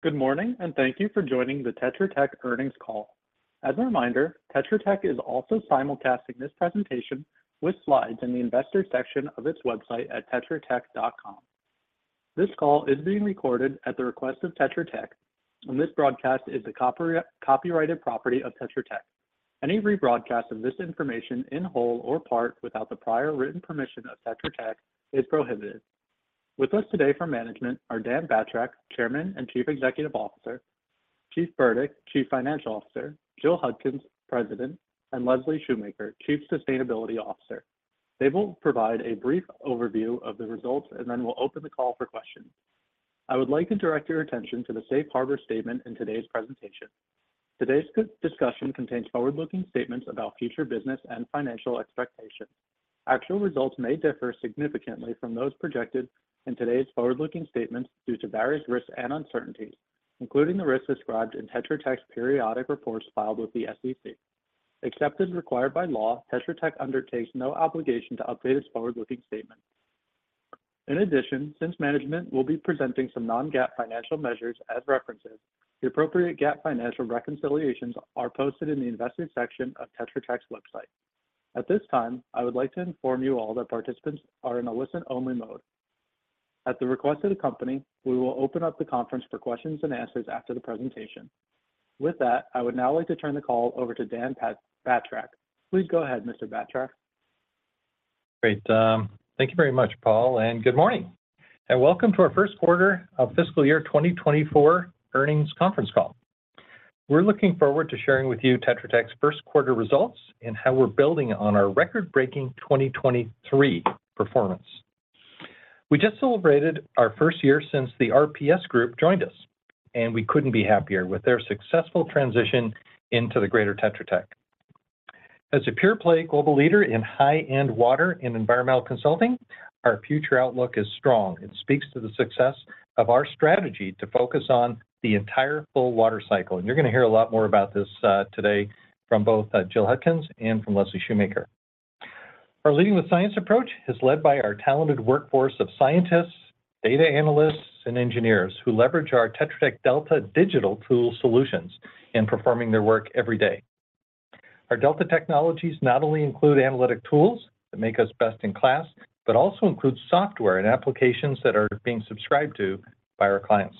Good morning, and thank you for joining the Tetra Tech earnings call. As a reminder, Tetra Tech is also simulcasting this presentation with slides in the investor section of its website at tetratech.com. This call is being recorded at the request of Tetra Tech, and this broadcast is the copyrighted property of Tetra Tech. Any rebroadcast of this information in whole or part, without the prior written permission of Tetra Tech, is prohibited. With us today from management are Dan Batrack, Chairman and Chief Executive Officer; Steve Burdick, Chief Financial Officer; Jill Hudkins, President; and Leslie Shoemaker, Chief Sustainability Officer. They will provide a brief overview of the results, and then we'll open the call for questions. I would like to direct your attention to the Safe Harbor statement in today's presentation. Today's discussion contains forward-looking statements about future business and financial expectations. Actual results may differ significantly from those projected in today's forward-looking statements due to various risks and uncertainties, including the risks described in Tetra Tech's periodic reports filed with the SEC. Except as required by law, Tetra Tech undertakes no obligation to update its forward-looking statement. In addition, since management will be presenting some non-GAAP financial measures as references, the appropriate GAAP financial reconciliations are posted in the investor section of Tetra Tech's website. At this time, I would like to inform you all that participants are in a listen-only mode. At the request of the company, we will open up the conference for questions and answers after the presentation. With that, I would now like to turn the call over to Dan Batrack. Please go ahead, Mr. Batrack. Great. Thank you very much, Paul, and good morning, and welcome to our first quarter of fiscal year 2024 earnings conference call. We're looking forward to sharing with you Tetra Tech's first quarter results and how we're building on our record-breaking 2023 performance. We just celebrated our first year since the RPS Group joined us, and we couldn't be happier with their successful transition into the greater Tetra Tech. As a pure-play global leader in high-end water and environmental consulting, our future outlook is strong. It speaks to the success of our strategy to focus on the entire full water cycle. And you're gonna hear a lot more about this today from both Jill Hudkins and from Leslie Shoemaker. Our Leading with Science approach is led by our talented workforce of scientists, data analysts, and engineers who leverage our Tetra Tech Delta digital tool solutions in performing their work every day. Our Delta technologies not only include analytic tools that make us best-in-class, but also include software and applications that are being subscribed to by our clients.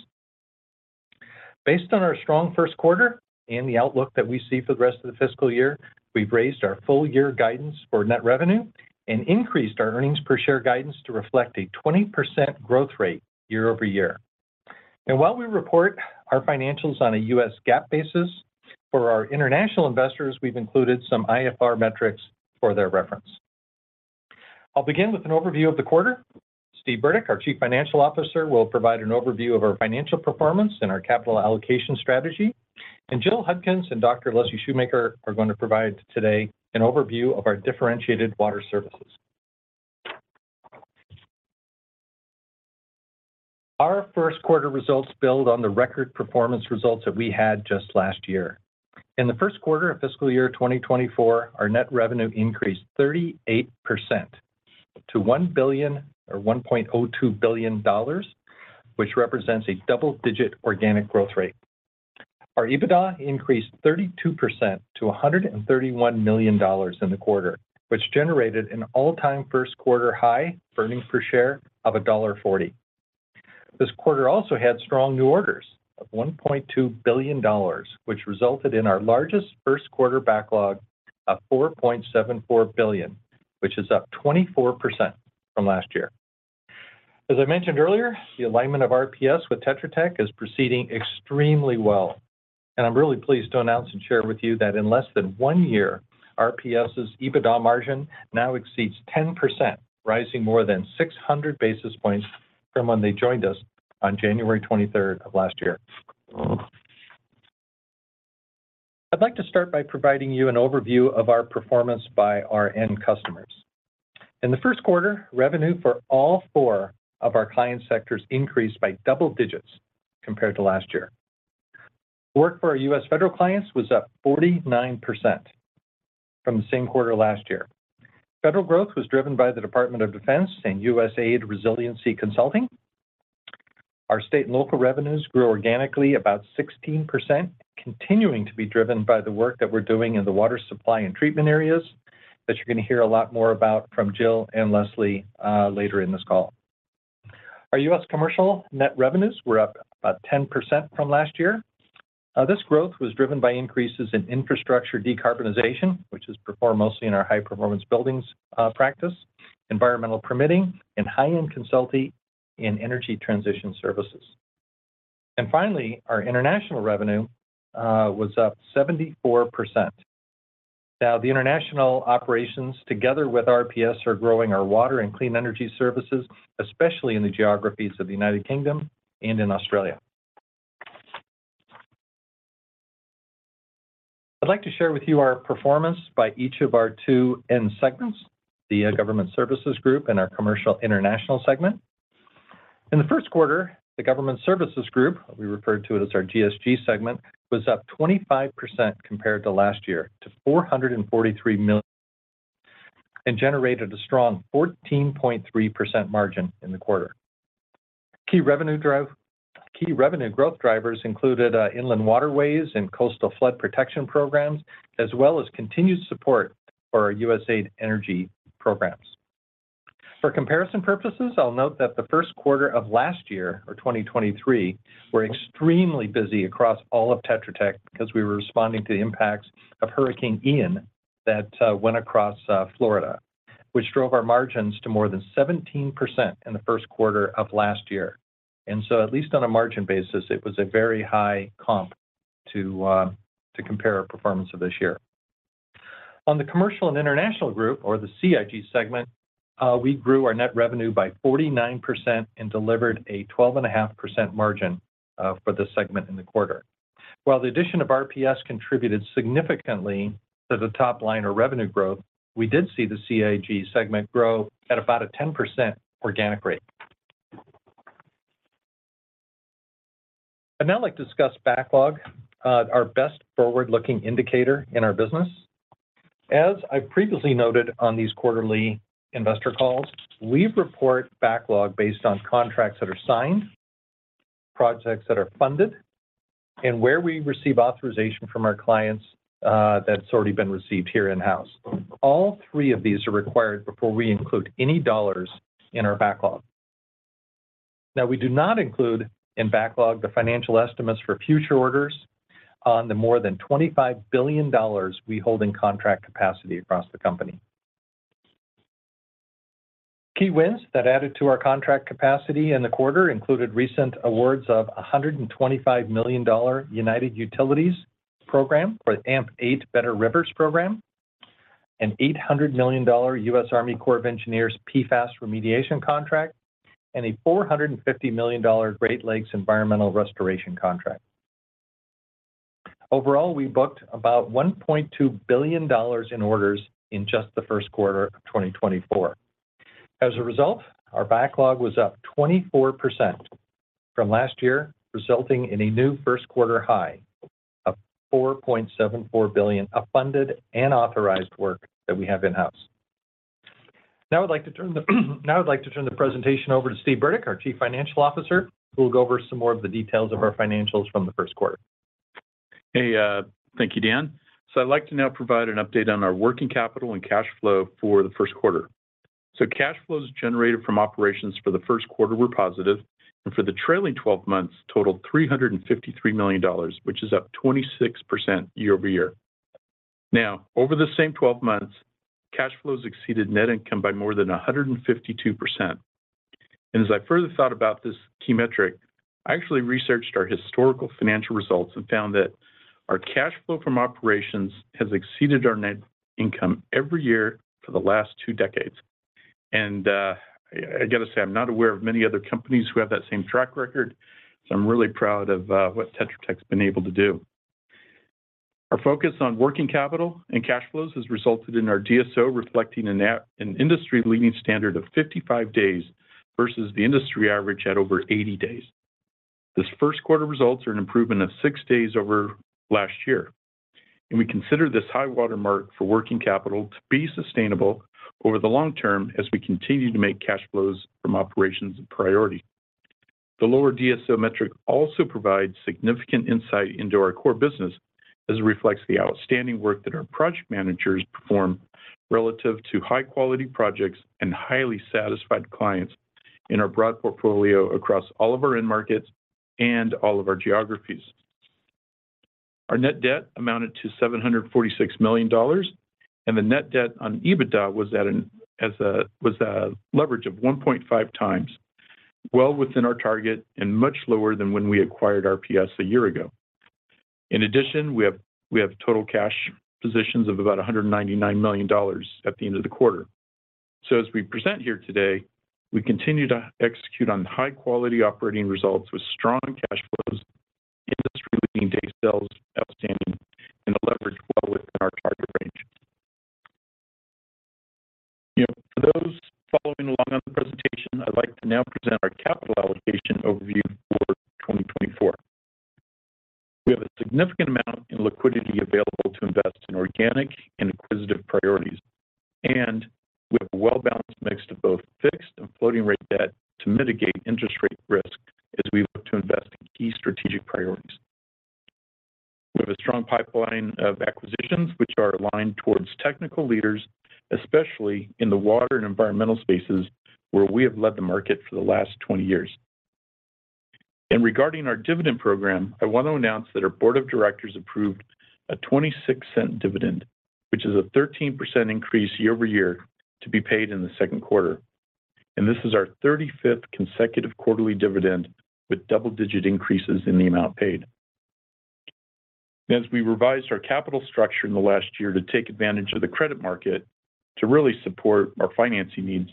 Based on our strong first quarter and the outlook that we see for the rest of the fiscal year, we've raised our full-year guidance for net revenue and increased our earnings per share guidance to reflect a 20% growth rate year-over-year. While we report our financials on a U.S. GAAP basis, for our international investors, we've included some IFRS metrics for their reference. I'll begin with an overview of the quarter. Steven Burdick, our Chief Financial Officer, will provide an overview of our financial performance and our capital allocation strategy. Jill Hudkins and Dr. Leslie Shoemaker are going to provide today an overview of our differentiated water services. Our first quarter results build on the record performance results that we had just last year. In the first quarter of fiscal year 2024, our net revenue increased 38% to $1 billion, or $1.02 billion, which represents a double-digit organic growth rate. Our EBITDA increased 32% to $131 million in the quarter, which generated an all-time first quarter high earnings per share of $1.40. This quarter also had strong new orders of $1.2 billion, which resulted in our largest first quarter backlog of $4.74 billion, which is up 24% from last year. As I mentioned earlier, the alignment of RPS with Tetra Tech is proceeding extremely well, and I'm really pleased to announce and share with you that in less than one year, RPS's EBITDA margin now exceeds 10%, rising more than 600 basis points from when they joined us on January twenty-third of last year. I'd like to start by providing you an overview of our performance by our end customers. In the first quarter, revenue for all four of our client sectors increased by double digits compared to last year. Work for our U.S. federal clients was up 49% from the same quarter last year. Federal growth was driven by the Department of Defense and USAID resiliency consulting. Our state and local revenues grew organically, about 16%, continuing to be driven by the work that we're doing in the water supply and treatment areas, that you're gonna hear a lot more about from Jill and Leslie later in this call. Our U.S. commercial net revenues were up about 10% from last year. This growth was driven by increases in infrastructure decarbonization, which is performed mostly in our high-performance buildings practice, environmental permitting, and high-end consulting in energy transition services. And finally, our international revenue was up 74%. Now, the international operations, together with RPS, are growing our water and clean energy services, especially in the geographies of the United Kingdom and in Australia. I'd like to share with you our performance by each of our two end segments, the Government Services Group and our Commercial International segment. In the first quarter, the Government Services Group, we refer to it as our GSG segment, was up 25% compared to last year, to $443 million and generated a strong 14.3% margin in the quarter. Key revenue growth drivers included inland waterways and coastal flood protection programs, as well as continued support for our USAID energy programs. For comparison purposes, I'll note that the first quarter of last year, or 2023, were extremely busy across all of Tetra Tech because we were responding to the impacts of Hurricane Ian that went across Florida, which drove our margins to more than 17% in the first quarter of last year. So at least on a margin basis, it was a very high comp to compare our performance of this year. On the Commercial and International Group, or the CIG segment, we grew our net revenue by 49% and delivered a 12.5% margin for this segment in the quarter. While the addition of RPS contributed significantly to the top line or revenue growth, we did see the CIG segment grow at about a 10% organic rate. I'd now like to discuss backlog, our best forward-looking indicator in our business. As I previously noted on these quarterly investor calls, we report backlog based on contracts that are signed, projects that are funded, and where we receive authorization from our clients, that's already been received here in-house. All three of these are required before we include any dollars in our backlog. Now, we do not include in backlog the financial estimates for future orders on the more than $25 billion we hold in contract capacity across the company. Key wins that added to our contract capacity in the quarter included recent awards of a $125 million United Utilities program for the AMP8 Better Rivers program, an $800 million U.S. Army Corps of Engineers PFAS remediation contract, and a $450 million Great Lakes Environmental Restoration contract. Overall, we booked about $1.2 billion in orders in just the first quarter of 2024. As a result, our backlog was up 24% from last year, resulting in a new first quarter high of $4.74 billion, of funded and authorized work that we have in-house. Now I'd like to turn the presentation over to Steven Burdick, our Chief Financial Officer, who will go over some more of the details of our financials from the first quarter. Hey, thank you, Dan. So I'd like to now provide an update on our working capital and cash flow for the first quarter. So cash flows generated from operations for the first quarter were positive, and for the trailing twelve months, totaled $353 million, which is up 26% year-over-year. Now, over the same twelve months, cash flows exceeded net income by more than 152%. And as I further thought about this key metric, I actually researched our historical financial results and found that our cash flow from operations has exceeded our net income every year for the last two decades. And, I got to say, I'm not aware of many other companies who have that same track record, so I'm really proud of what Tetra Tech's been able to do. Our focus on working capital and cash flows has resulted in our DSO reflecting an industry-leading standard of 55 days versus the industry average at over 80 days. This first quarter results are an improvement of 6 days over last year, and we consider this high water mark for working capital to be sustainable over the long term as we continue to make cash flows from operations a priority. The lower DSO metric also provides significant insight into our core business, as it reflects the outstanding work that our project managers perform relative to high-quality projects and highly satisfied clients in our broad portfolio across all of our end markets and all of our geographies. Our net debt amounted to $746 million, and the net debt on EBITDA was a leverage of 1.5x, well within our target and much lower than when we acquired RPS a year ago. In addition, we have total cash positions of about $199 million at the end of the quarter. So as we present here today, we continue to execute on high-quality operating results with strong cash flows, industry-leading Days Sales Outstanding, and a leverage well within our target range. You know, for those following along on the presentation, I'd like to now present our capital allocation overview for 2024. We have a significant amount in liquidity available to invest in organic and acquisitive priorities, and we have a well-balanced mix of both fixed and floating rate debt to mitigate interest rate risk as we look to invest in key strategic priorities. We have a strong pipeline of acquisitions which are aligned towards technical leaders, especially in the water and environmental spaces, where we have led the market for the last 20 years. Regarding our dividend program, I want to announce that our board of directors approved a $0.26 dividend, which is a 13% increase year-over-year, to be paid in the second quarter. This is our 35th consecutive quarterly dividend with double-digit increases in the amount paid. As we revised our capital structure in the last year to take advantage of the credit market to really support our financing needs,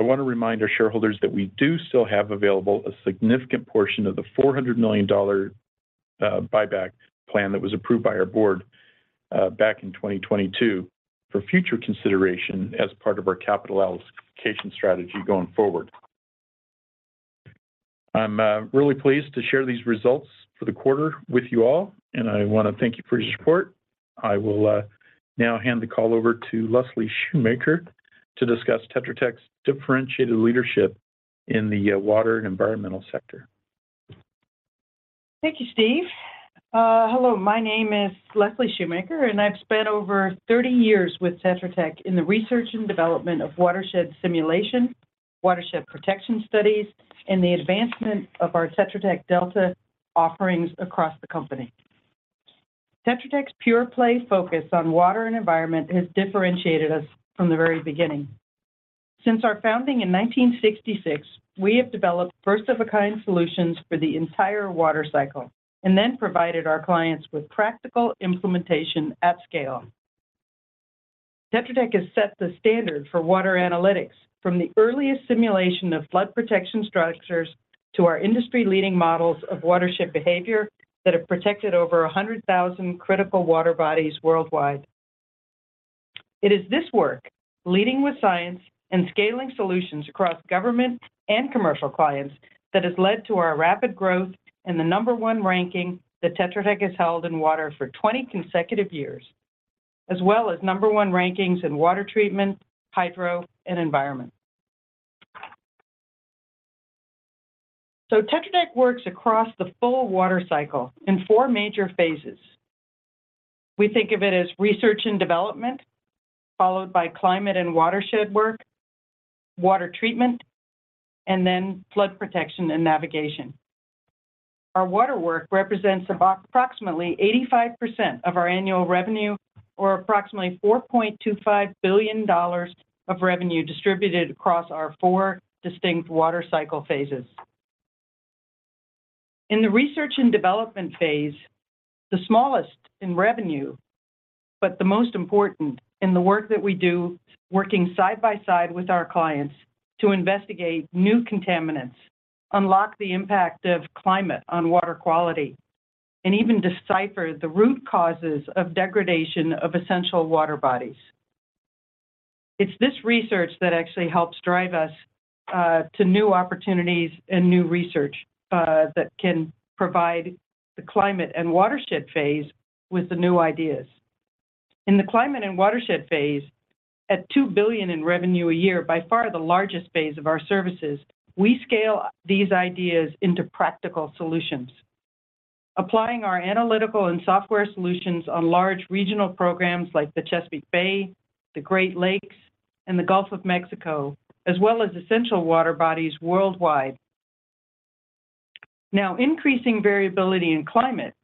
I want to remind our shareholders that we do still have available a significant portion of the $400 million buyback plan that was approved by our board back in 2022 for future consideration as part of our capital allocation strategy going forward. I'm really pleased to share these results for the quarter with you all, and I want to thank you for your support. I will now hand the call over to Leslie Shoemaker to discuss Tetra Tech's differentiated leadership in the water and environmental sector. Thank you, Steve. Hello, my name is Leslie Shoemaker, and I've spent over 30 years with Tetra Tech in the research and development of watershed simulation, watershed protection studies, and the advancement of our Tetra Tech Delta offerings across the company. Tetra Tech's pure play focus on water and environment has differentiated us from the very beginning. Since our founding in 1966, we have developed first-of-a-kind solutions for the entire water cycle, and then provided our clients with practical implementation at scale. Tetra Tech has set the standard for water analytics, from the earliest simulation of flood protection structures to our industry-leading models of watershed behavior that have protected over 100,000 critical water bodies worldwide. It is this work, leading with science and scaling solutions across government and commercial clients, that has led to our rapid growth and the number one ranking that Tetra Tech has held in water for 20 consecutive years, as well as number one rankings in water treatment, hydro, and environment. Tetra Tech works across the full water cycle in four major phases. We think of it as research and development, followed by climate and watershed work, water treatment, and then flood protection and navigation. Our water work represents about approximately 85% of our annual revenue, or approximately $4.25 billion of revenue distributed across our four distinct water cycle phases. In the research and development phase, the smallest in revenue, but the most important in the work that we do, working side by side with our clients to investigate new contaminants, unlock the impact of climate on water quality, and even decipher the root causes of degradation of essential water bodies. It's this research that actually helps drive us to new opportunities and new research that can provide the climate and watershed phase with the new ideas. In the climate and watershed phase, at $2 billion in revenue a year, by far the largest phase of our services, we scale these ideas into practical solutions. Applying our analytical and software solutions on large regional programs like the Chesapeake Bay, the Great Lakes, and the Gulf of Mexico, as well as essential water bodies worldwide. Now, increasing variability in climate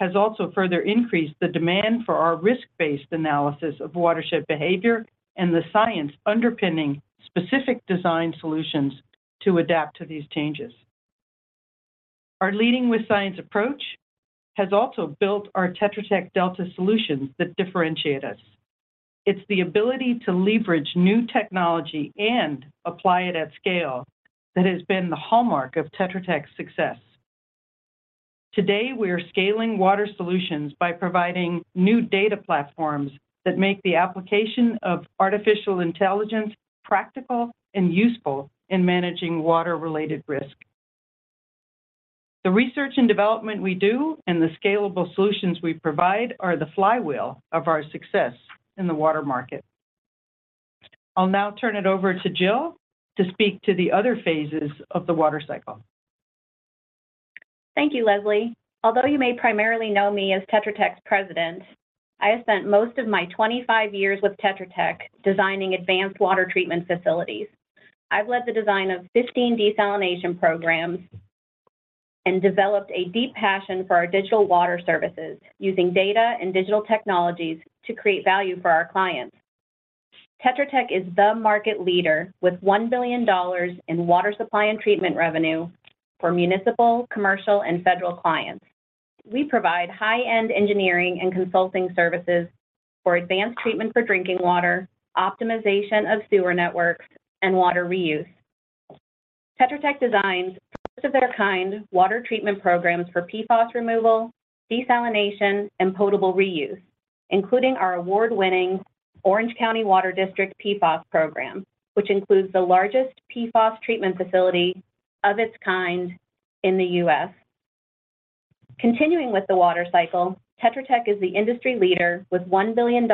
has also further increased the demand for our risk-based analysis of watershed behavior and the science underpinning specific design solutions to adapt to these changes. Our leading with science approach has also built our Tetra Tech Delta solutions that differentiate us. It's the ability to leverage new technology and apply it at scale that has been the hallmark of Tetra Tech's success. Today, we are scaling water solutions by providing new data platforms that make the application of artificial intelligence practical and useful in managing water-related risk. The research and development we do and the scalable solutions we provide are the flywheel of our success in the water market. I'll now turn it over to Jill to speak to the other phases of the water cycle. Thank you, Leslie. Although you may primarily know me as Tetra Tech's president, I have spent most of my 25 years with Tetra Tech designing advanced water treatment facilities. I've led the design of 15 desalination programs and developed a deep passion for our digital water services, using data and digital technologies to create value for our clients. Tetra Tech is the market leader with $1 billion in water supply and treatment revenue for municipal, commercial, and federal clients. We provide high-end engineering and consulting services for advanced treatment for drinking water, optimization of sewer networks, and water reuse. Tetra Tech designs first-of-their-kind water treatment programs for PFOS removal, desalination, and potable reuse, including our award-winning Orange County Water District PFOS program, which includes the largest PFOS treatment facility of its kind in the U.S. Continuing with the water cycle, Tetra Tech is the industry leader with $1 billion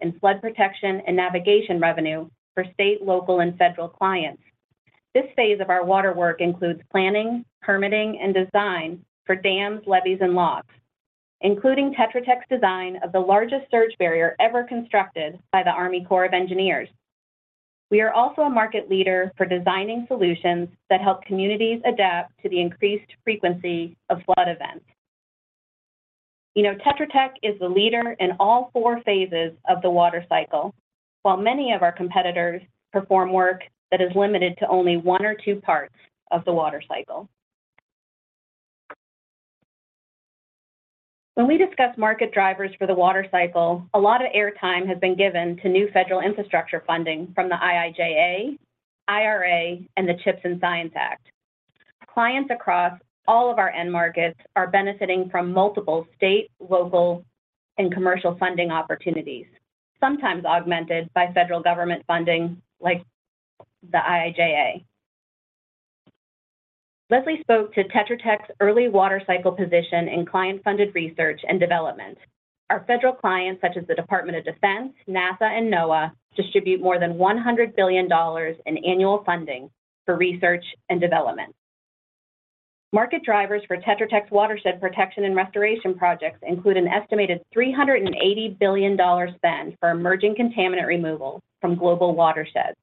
in flood protection and navigation revenue for state, local, and federal clients. This phase of our water work includes planning, permitting, and design for dams, levees, and locks, including Tetra Tech's design of the largest surge barrier ever constructed by the Army Corps of Engineers. We are also a market leader for designing solutions that help communities adapt to the increased frequency of flood events. You know, Tetra Tech is the leader in all four phases of the water cycle, while many of our competitors perform work that is limited to only one or two parts of the water cycle. When we discuss market drivers for the water cycle, a lot of airtime has been given to new federal infrastructure funding from the IIJA, IRA, and the CHIPS and Science Act. Clients across all of our end markets are benefiting from multiple state, local and commercial funding opportunities, sometimes augmented by federal government funding like the IIJA. Leslie spoke to Tetra Tech's early water cycle position in client-funded research and development. Our federal clients, such as the Department of Defense, NASA, and NOAA, distribute more than $100 billion in annual funding for research and development. Market drivers for Tetra Tech's watershed protection and restoration projects include an estimated $380 billion spend for emerging contaminant removal from global watersheds,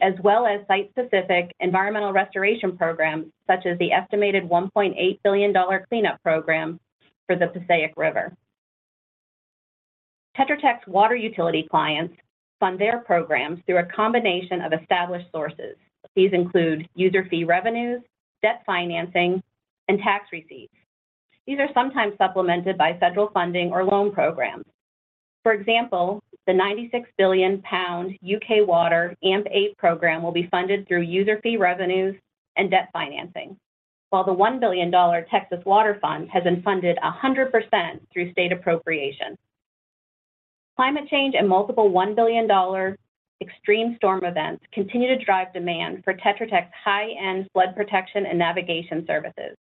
as well as site-specific environmental restoration programs, such as the estimated $1.8 billion cleanup program for the Passaic River. Tetra Tech's water utility clients fund their programs through a combination of established sources. These include user fee revenues, debt financing, and tax receipts. These are sometimes supplemented by federal funding or loan programs. For example, the 96 billion pound UK Water AMP8 program will be funded through user fee revenues and debt financing, while the $1 billion Texas Water Fund has been funded 100% through state appropriation. Climate change and multiple $1 billion extreme storm events continue to drive demand for Tetra Tech's high-end flood protection and navigation services.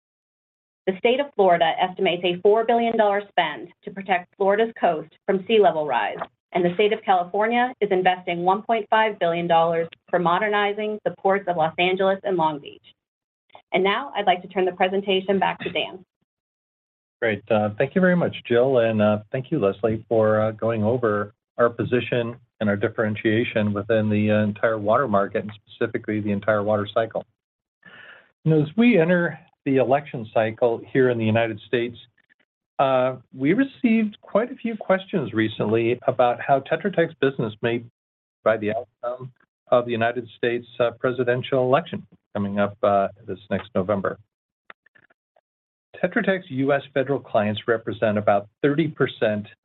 The state of Florida estimates a $4 billion spend to protect Florida's coast from sea level rise, and the state of California is investing $1.5 billion for modernizing the ports of Los Angeles and Long Beach. And now, I'd like to turn the presentation back to Dan. Great. Thank you very much, Jill, and thank you, Leslie, for going over our position and our differentiation within the entire water market, and specifically the entire water cycle. Now, as we enter the election cycle here in the United States, we received quite a few questions recently about how Tetra Tech's business may, by the outcome of the United States presidential election coming up this next November. Tetra Tech's U.S. federal clients represent about 30%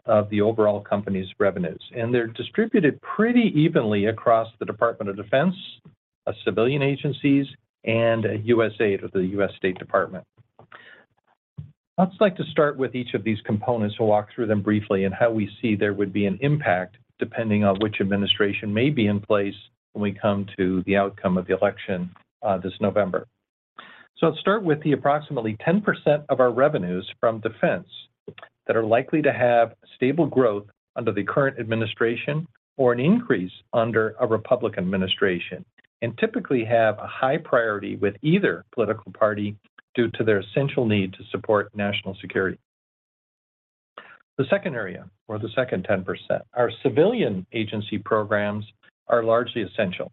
of the overall company's revenues, and they're distributed pretty evenly across the Department of Defense, civilian agencies, and USAID, or the U.S. State Department. I'd like to start with each of these components. We'll walk through them briefly and how we see there would be an impact depending on which administration may be in place when we come to the outcome of the election, this November. So let's start with the approximately 10% of our revenues from defense that are likely to have stable growth under the current administration or an increase under a Republican administration, and typically have a high priority with either political party due to their essential need to support national security. The second area, or the second 10%, our civilian agency programs, are largely essential.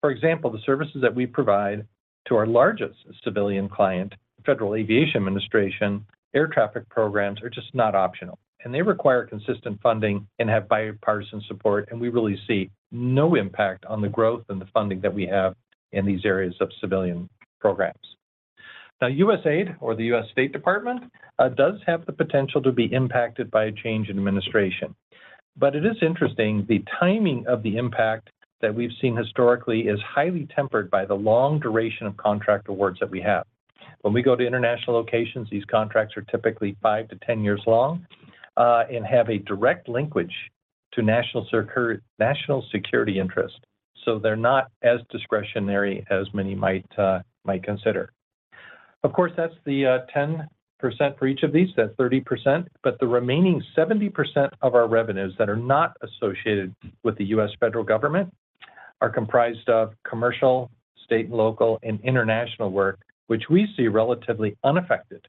For example, the services that we provide to our largest civilian client, Federal Aviation Administration, air traffic programs are just not optional, and they require consistent funding and have bipartisan support, and we really see no impact on the growth and the funding that we have in these areas of civilian programs. Now, USAID, or the U.S. State Department, does have the potential to be impacted by a change in administration. But it is interesting, the timing of the impact that we've seen historically is highly tempered by the long duration of contract awards that we have. When we go to international locations, these contracts are typically five to 10 years long, and have a direct linkage to national security interest, so they're not as discretionary as many might consider. Of course, that's the 10% for each of these. That's 30%. But the remaining 70% of our revenues that are not associated with the U.S. federal government are comprised of commercial, state and local, and international work, which we see relatively unaffected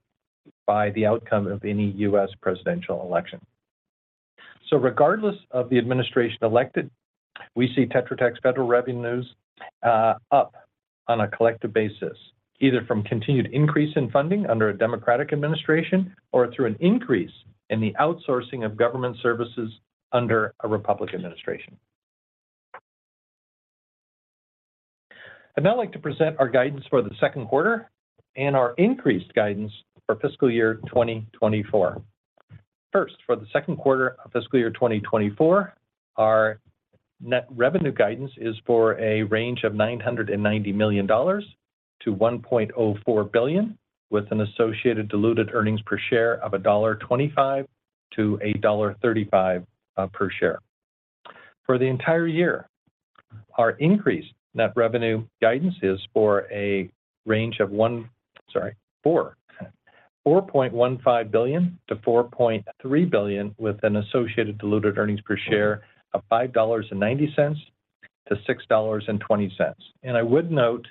by the outcome of any U.S. presidential election. So regardless of the administration elected, we see Tetra Tech's federal revenues up on a collective basis, either from continued increase in funding under a Democratic administration or through an increase in the outsourcing of government services under a Republican administration. I'd now like to present our guidance for the second quarter and our increased guidance for fiscal year 2024. First, for the second quarter of fiscal year 2024, our net revenue guidance is for a range of $990 million-$1.04 billion, with an associated diluted earnings per share of $1.25-$1.35 per share. For the entire year, our increased net revenue guidance is for a range of $4.15 billion-$4.3 billion, with an associated diluted earnings per share of $5.90-$6.20. I would note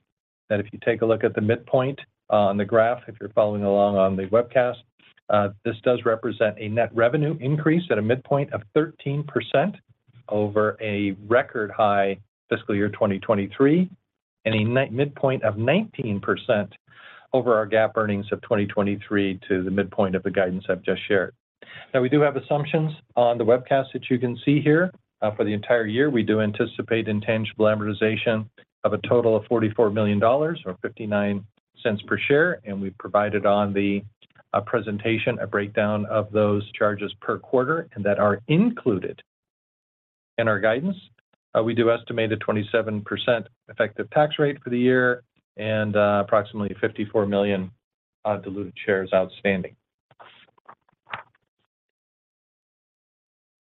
that if you take a look at the midpoint on the graph, if you're following along on the webcast, this does represent a net revenue increase at a midpoint of 13% over a record high fiscal year 2023, and a net midpoint of 19% over our GAAP earnings of 2023 to the midpoint of the guidance I've just shared. Now, we do have assumptions on the webcast that you can see here. For the entire year, we do anticipate intangible amortization of a total of $44 million, or $0.59 per share, and we've provided on the presentation a breakdown of those charges per quarter and that are included in our guidance. We do estimate a 27% effective tax rate for the year and approximately 54 million diluted shares outstanding.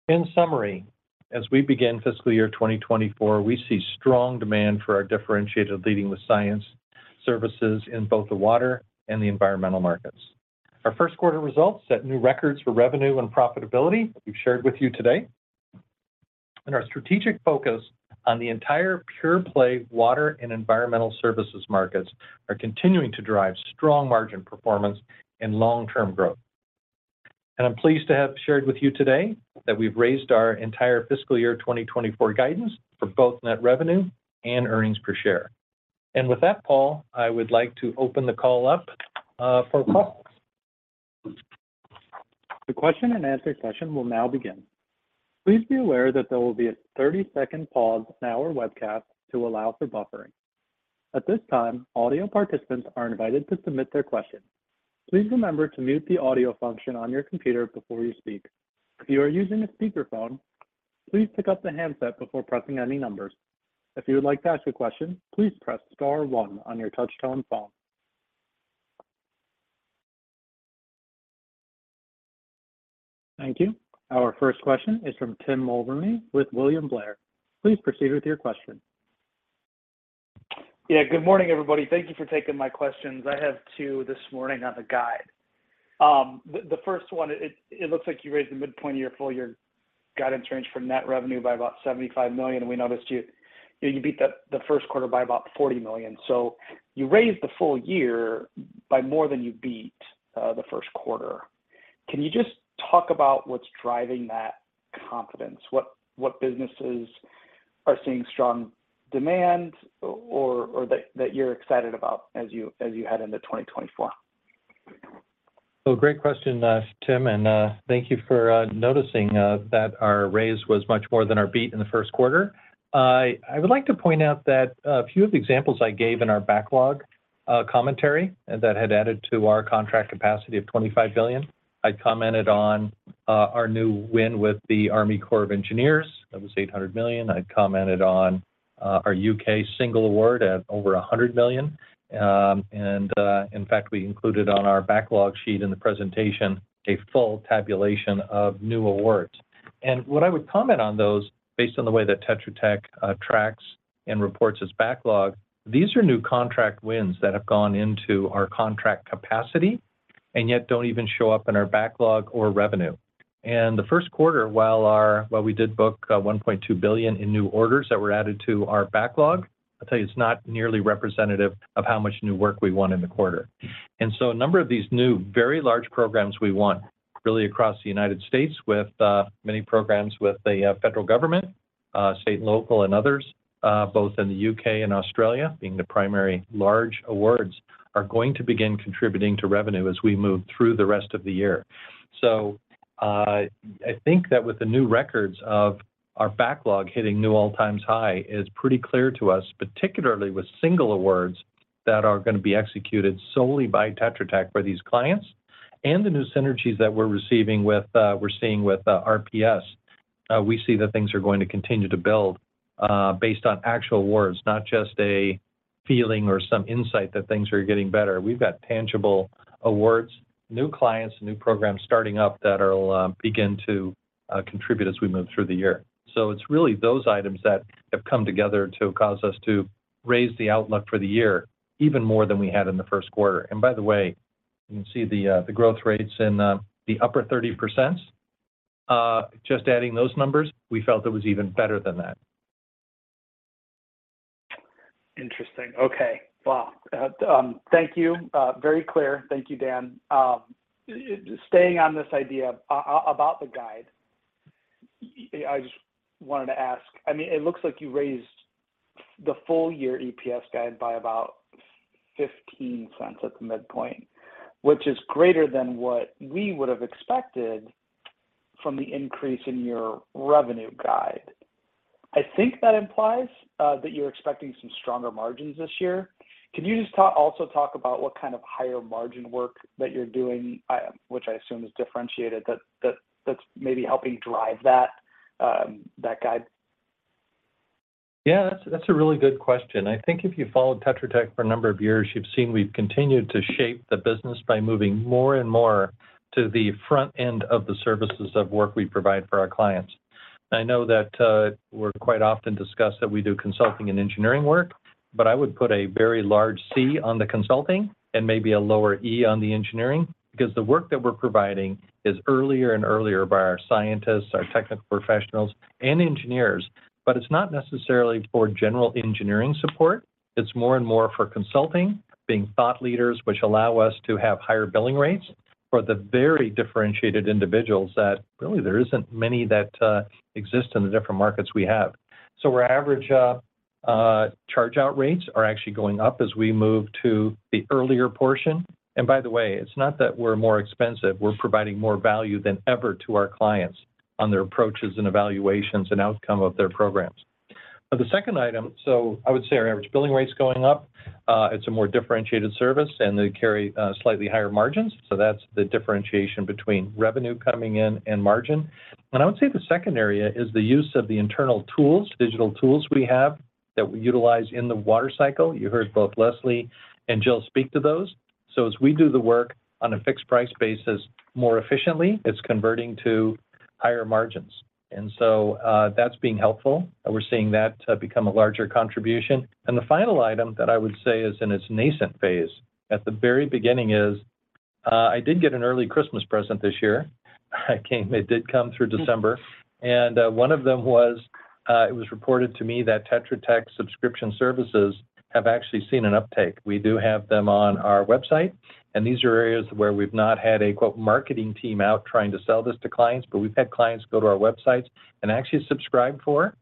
In summary, as we begin fiscal year 2024, we see strong demand for our differentiated leading with science services in both the water and the environmental markets. Our first quarter results set new records for revenue and profitability. We've shared with you today. And our strategic focus on the entire pure-play water and environmental services markets are continuing to drive strong margin performance and long-term growth. And I'm pleased to have shared with you today that we've raised our entire fiscal year 2024 guidance for both net revenue and earnings per share. And with that, Paul, I would like to open the call up for questions. The question-and-answer session will now begin. Please be aware that there will be a 30-second pause in our webcast to allow for buffering. At this time, audio participants are invited to submit their question. Please remember to mute the audio function on your computer before you speak. If you are using a speakerphone, please pick up the handset before pressing any numbers. If you would like to ask a question, please press star one on your touch-tone phone. Thank you. Our first question is from Tim Mulrooney with William Blair. Please proceed with your question. Yeah. Good morning, everybody. Thank you for taking my questions. I have two this morning on the guide. The first one, it looks like you raised the midpoint of your full year guidance range from net revenue by about $75 million, and we noticed you beat the first quarter by about $40 million. So you raised the full year by more than you beat the first quarter. Can you just talk about what's driving that confidence? What businesses are seeing strong demand or that you're excited about as you head into 2024? So great question, Tim, and thank you for noticing that our raise was much more than our beat in the first quarter. I, I would like to point out that a few of the examples I gave in our backlog commentary, and that had added to our contract capacity of $25 billion. I commented on our new win with the U.S. Army Corps of Engineers. That was $800 million. I commented on our U.K. single award at over $100 million. And in fact, we included on our backlog sheet in the presentation a full tabulation of new awards. What I would comment on those, based on the way that Tetra Tech tracks and reports its backlog, these are new contract wins that have gone into our contract capacity and yet don't even show up in our backlog or revenue. The first quarter, while we did book $1.2 billion in new orders that were added to our backlog, I'll tell you, it's not nearly representative of how much new work we won in the quarter. So a number of these new, very large programs we won really across the United States with many programs with the federal government, state and local and others, both in the UK and Australia, being the primary large awards, are going to begin contributing to revenue as we move through the rest of the year. So, I think that with the new records of our backlog hitting new all-time high, is pretty clear to us, particularly with single awards, that are gonna be executed solely by Tetra Tech for these clients and the new synergies that we're receiving with, we're seeing with, RPS. We see that things are going to continue to build, based on actual awards, not just a feeling or some insight that things are getting better. We've got tangible awards, new clients, new programs starting up that will, begin to, contribute as we move through the year. So it's really those items that have come together to cause us to raise the outlook for the year, even more than we had in the first quarter. And by the way, you can see the, the growth rates in, the upper 30%. Just adding those numbers, we felt it was even better than that. Interesting. Okay. Well, thank you. Very clear. Thank you, Dan. Staying on this idea about the guide, I just wanted to ask, I mean, it looks like you raised the full year EPS guide by about $0.15 at the midpoint, which is greater than what we would have expected from the increase in your revenue guide. I think that implies that you're expecting some stronger margins this year. Can you just also talk about what kind of higher margin work that you're doing, which I assume is differentiated, that's maybe helping drive that guide? Yeah, that's, that's a really good question. I think if you followed Tetra Tech for a number of years, you've seen we've continued to shape the business by moving more and more to the front end of the services of work we provide for our clients. I know that we're quite often discussed that we do consulting and engineering work, but I would put a very large C on the consulting and maybe a lower E on the engineering, because the work that we're providing is earlier and earlier by our scientists, our technical professionals, and engineers. But it's not necessarily for general engineering support. It's more and more for consulting, being thought leaders, which allow us to have higher billing rates for the very differentiated individuals that really there isn't many that exist in the different markets we have. So our average charge out rates are actually going up as we move to the earlier portion. And by the way, it's not that we're more expensive. We're providing more value than ever to our clients on their approaches and evaluations and outcome of their programs.... But the second item, so I would say our average billing rates going up, it's a more differentiated service, and they carry slightly higher margins. So that's the differentiation between revenue coming in and margin. And I would say the second area is the use of the internal tools, digital tools we have, that we utilize in the water cycle. You heard both Leslie and Jill speak to those. So as we do the work on a fixed price basis, more efficiently, it's converting to higher margins. That's being helpful, and we're seeing that become a larger contribution. The final item that I would say is in its nascent phase, at the very beginning is, I did get an early Christmas present this year. It came. It did come through December. One of them was, it was reported to me that Tetra Tech subscription services have actually seen an uptake. We do have them on our website, and these are areas where we've not had a, quote, marketing team out trying to sell this to clients, but we've had clients go to our websites and actually subscribe for it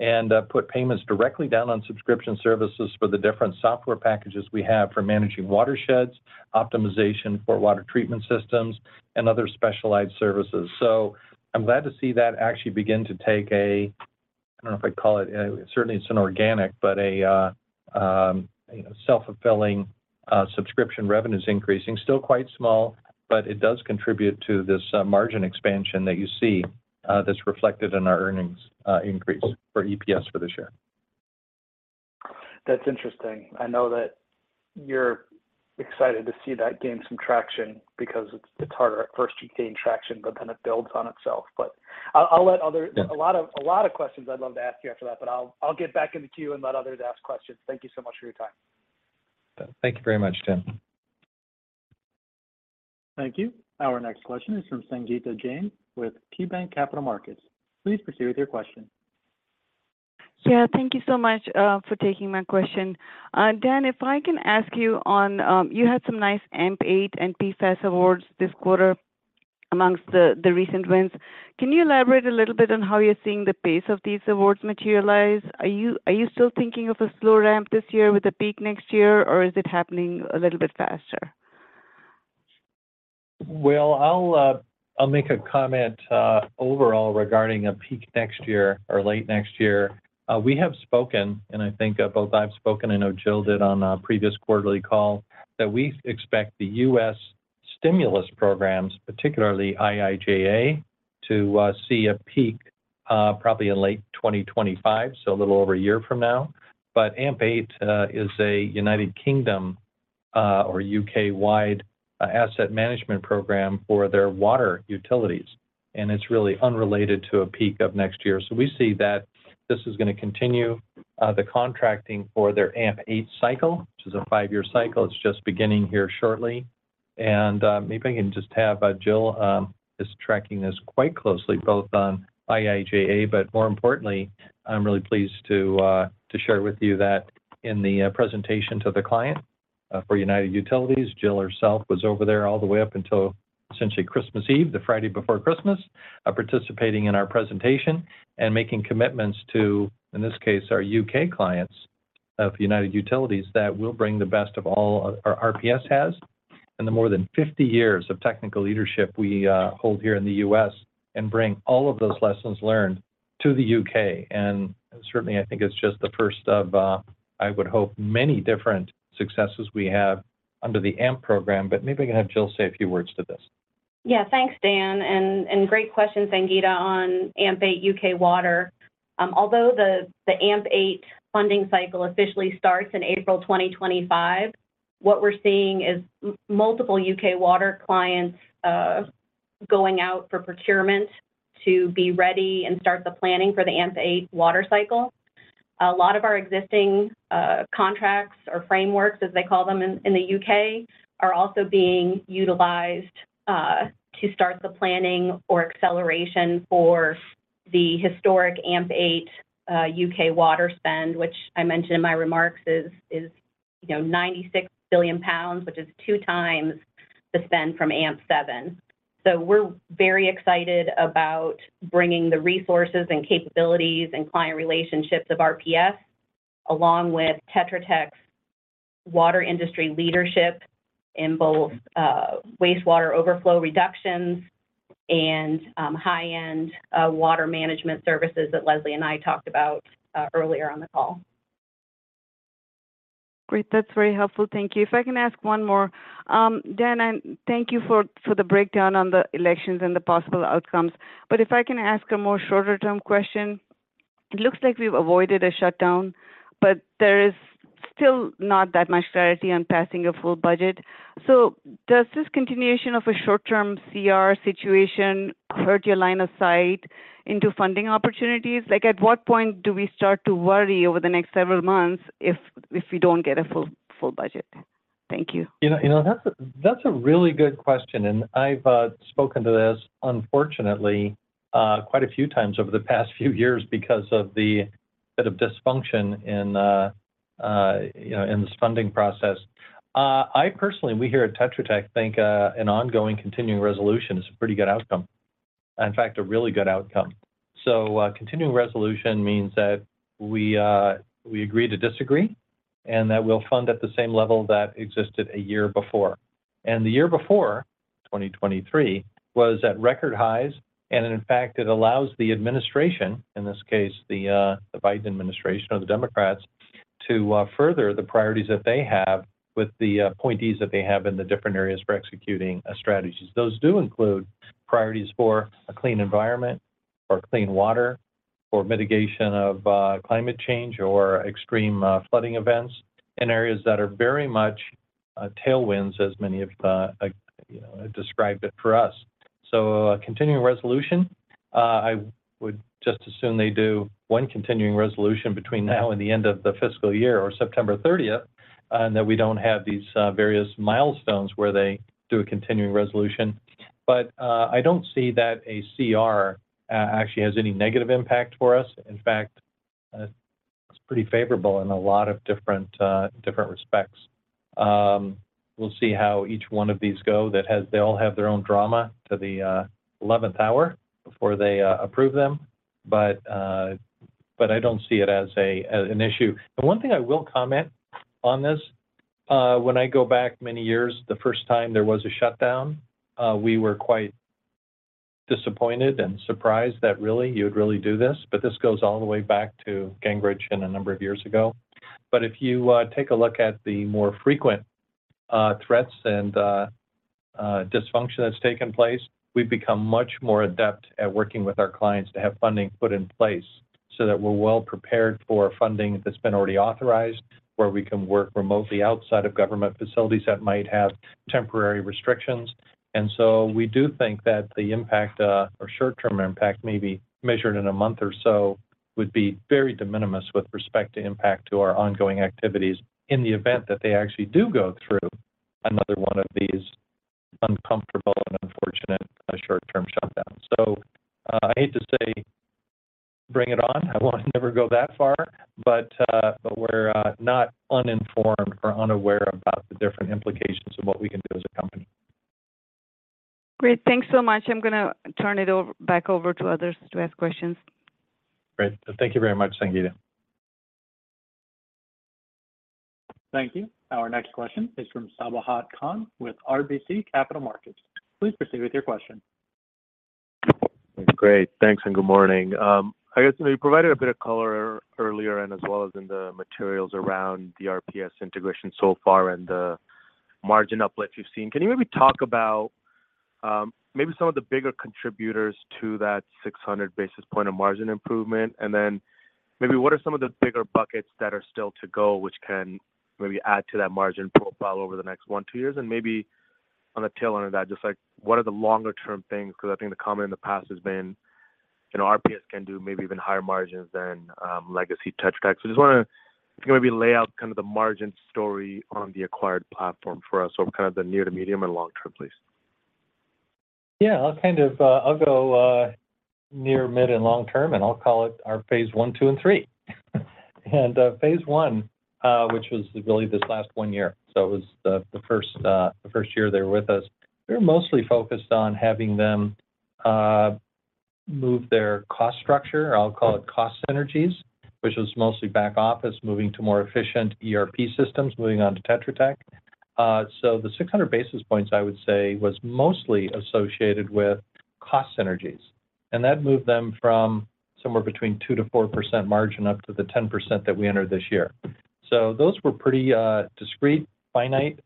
and, put payments directly down on subscription services for the different software packages we have for managing watersheds, optimization for water treatment systems, and other specialized services. So I'm glad to see that actually begin to take a, I don't know if I'd call it, certainly it's inorganic, but a self-fulfilling subscription revenue is increasing. Still quite small, but it does contribute to this margin expansion that you see, that's reflected in our earnings increase for EPS for this year. That's interesting. I know that you're excited to see that gain some traction because it's, it's harder at first to gain traction, but then it builds on itself. But I'll, I'll let other- Yeah. A lot of, a lot of questions I'd love to ask you after that, but I'll, I'll get back in the queue and let others ask questions. Thank you so much for your time. Thank you very much, Tim. Thank you. Our next question is from Sangita Jain with KeyBanc Capital Markets. Please proceed with your question. Yeah, thank you so much for taking my question. Dan, if I can ask you on, you had some nice AMP8 and PFAS awards this quarter amongst the, the recent wins. Can you elaborate a little bit on how you're seeing the pace of these awards materialize? Are you, are you still thinking of a slow ramp this year with a peak next year, or is it happening a little bit faster? Well, I'll make a comment overall regarding a peak next year or late next year. We have spoken, and I think both I've spoken and I know Jill did on a previous quarterly call, that we expect the U.S. stimulus programs, particularly IIJA, to see a peak probably in late 2025, so a little over a year from now. But AMP8 is a United Kingdom or U.K.-wide asset management program for their water utilities, and it's really unrelated to a peak of next year. So we see that this is gonna continue the contracting for their AMP8 cycle, which is a five-year cycle. It's just beginning here shortly. Maybe I can just have Jill is tracking this quite closely, both on IIJA, but more importantly, I'm really pleased to to share with you that in the presentation to the client for United Utilities, Jill herself was over there all the way up until essentially Christmas Eve, the Friday before Christmas, participating in our presentation and making commitments to, in this case, our U.K. clients of United Utilities, that we'll bring the best of all, our, RPS has, and the more than 50 years of technical leadership we hold here in the U.S. and bring all of those lessons learned to the U.K. And certainly, I think it's just the first of, I would hope, many different successes we have under the AMP program. But maybe I can have Jill say a few words to this. Yeah. Thanks, Dan. And great question, Sangita, on AMP8 UK Water. Although the AMP8 funding cycle officially starts in April 2025, what we're seeing is multiple UK water clients going out for procurement to be ready and start the planning for the AMP8 water cycle. A lot of our existing contracts or frameworks, as they call them in the UK, are also being utilized to start the planning or acceleration for the historic AMP8 UK water spend, which I mentioned in my remarks is, you know, 96 billion pounds, which is two times the spend from AMP7. We're very excited about bringing the resources and capabilities and client relationships of RPS, along with Tetra Tech's water industry leadership in both wastewater overflow reductions and high-end water management services that Leslie and I talked about earlier on the call. Great. That's very helpful. Thank you. If I can ask one more. Dan, thank you for the breakdown on the elections and the possible outcomes. But if I can ask a more shorter term question: It looks like we've avoided a shutdown, but there is still not that much clarity on passing a full budget. So does this continuation of a short-term CR situation hurt your line of sight into funding opportunities? Like, at what point do we start to worry over the next several months if we don't get a full budget? Thank you. You know, you know, that's a really good question, and I've spoken to this, unfortunately, quite a few times over the past few years because of the bit of dysfunction in, you know, in this funding process. I personally, we here at Tetra Tech, think an ongoing Continuing Resolution is a pretty good outcome. In fact, a really good outcome. So, Continuing Resolution means that we, we agree to disagree... and that we'll fund at the same level that existed a year before. And the year before, 2023, was at record highs, and in fact, it allows the administration, in this case, the, the Biden administration or the Democrats, to further the priorities that they have with the, appointees that they have in the different areas for executing strategies. Those do include priorities for a clean environment or clean water, or mitigation of climate change, or extreme flooding events in areas that are very much tailwinds, as many of you know described it for us. So a Continuing Resolution, I would just assume they do one Continuing Resolution between now and the end of the fiscal year or September thirtieth, and that we don't have these various milestones where they do a Continuing Resolution. But I don't see that a CR actually has any negative impact for us. In fact, it's pretty favorable in a lot of different different respects. We'll see how each one of these go. They all have their own drama to the eleventh hour before they approve them, but, but I don't see it as an issue. The one thing I will comment on this, when I go back many years, the first time there was a shutdown, we were quite disappointed and surprised that really, you would really do this, but this goes all the way back to Gingrich and a number of years ago. But if you take a look at the more frequent threats and dysfunction that's taken place, we've become much more adept at working with our clients to have funding put in place so that we're well prepared for funding that's been already authorized, where we can work remotely outside of government facilities that might have temporary restrictions. And so we do think that the impact, or short-term impact, may be measured in a month or so, would be very de minimis with respect to impact to our ongoing activities in the event that they actually do go through another one of these uncomfortable and unfortunate, short-term shutdowns. So, I hate to say, bring it on. I want to never go that far, but, but we're not uninformed or unaware about the different implications of what we can do as a company. Great. Thanks so much. I'm gonna turn it over back over to others to ask questions. Great. Thank you very much, Sangita. Thank you. Our next question is from Sabahat Khan with RBC Capital Markets. Please proceed with your question. Great. Thanks, and good morning. I guess you provided a bit of color earlier and as well as in the materials around the RPS integration so far and the margin uplift you've seen. Can you maybe talk about, maybe some of the bigger contributors to that 600 basis point of margin improvement? And then maybe what are some of the bigger buckets that are still to go, which can maybe add to that margin profile over the next 1, 2 years? And maybe on the tail end of that, just like, what are the longer-term things? Because I think the comment in the past has been, you know, RPS can do maybe even higher margins than, legacy Tetra Tech. Just wanna maybe lay out kind of the margin story on the acquired platform for us or kind of the near to medium and long term, please. Yeah, I'll kind of go near, mid, and long term, and I'll call it our phase one, two, and three. Phase one, which was really this last one year, so it was the first year they were with us. We were mostly focused on having them move their cost structure, I'll call it cost synergies, which is mostly back office, moving to more efficient ERP systems, moving on to Tetra Tech. So the 600 basis points, I would say, was mostly associated with cost synergies, and that moved them from somewhere between 2%-4% margin up to the 10% that we entered this year. So those were pretty discrete, finite.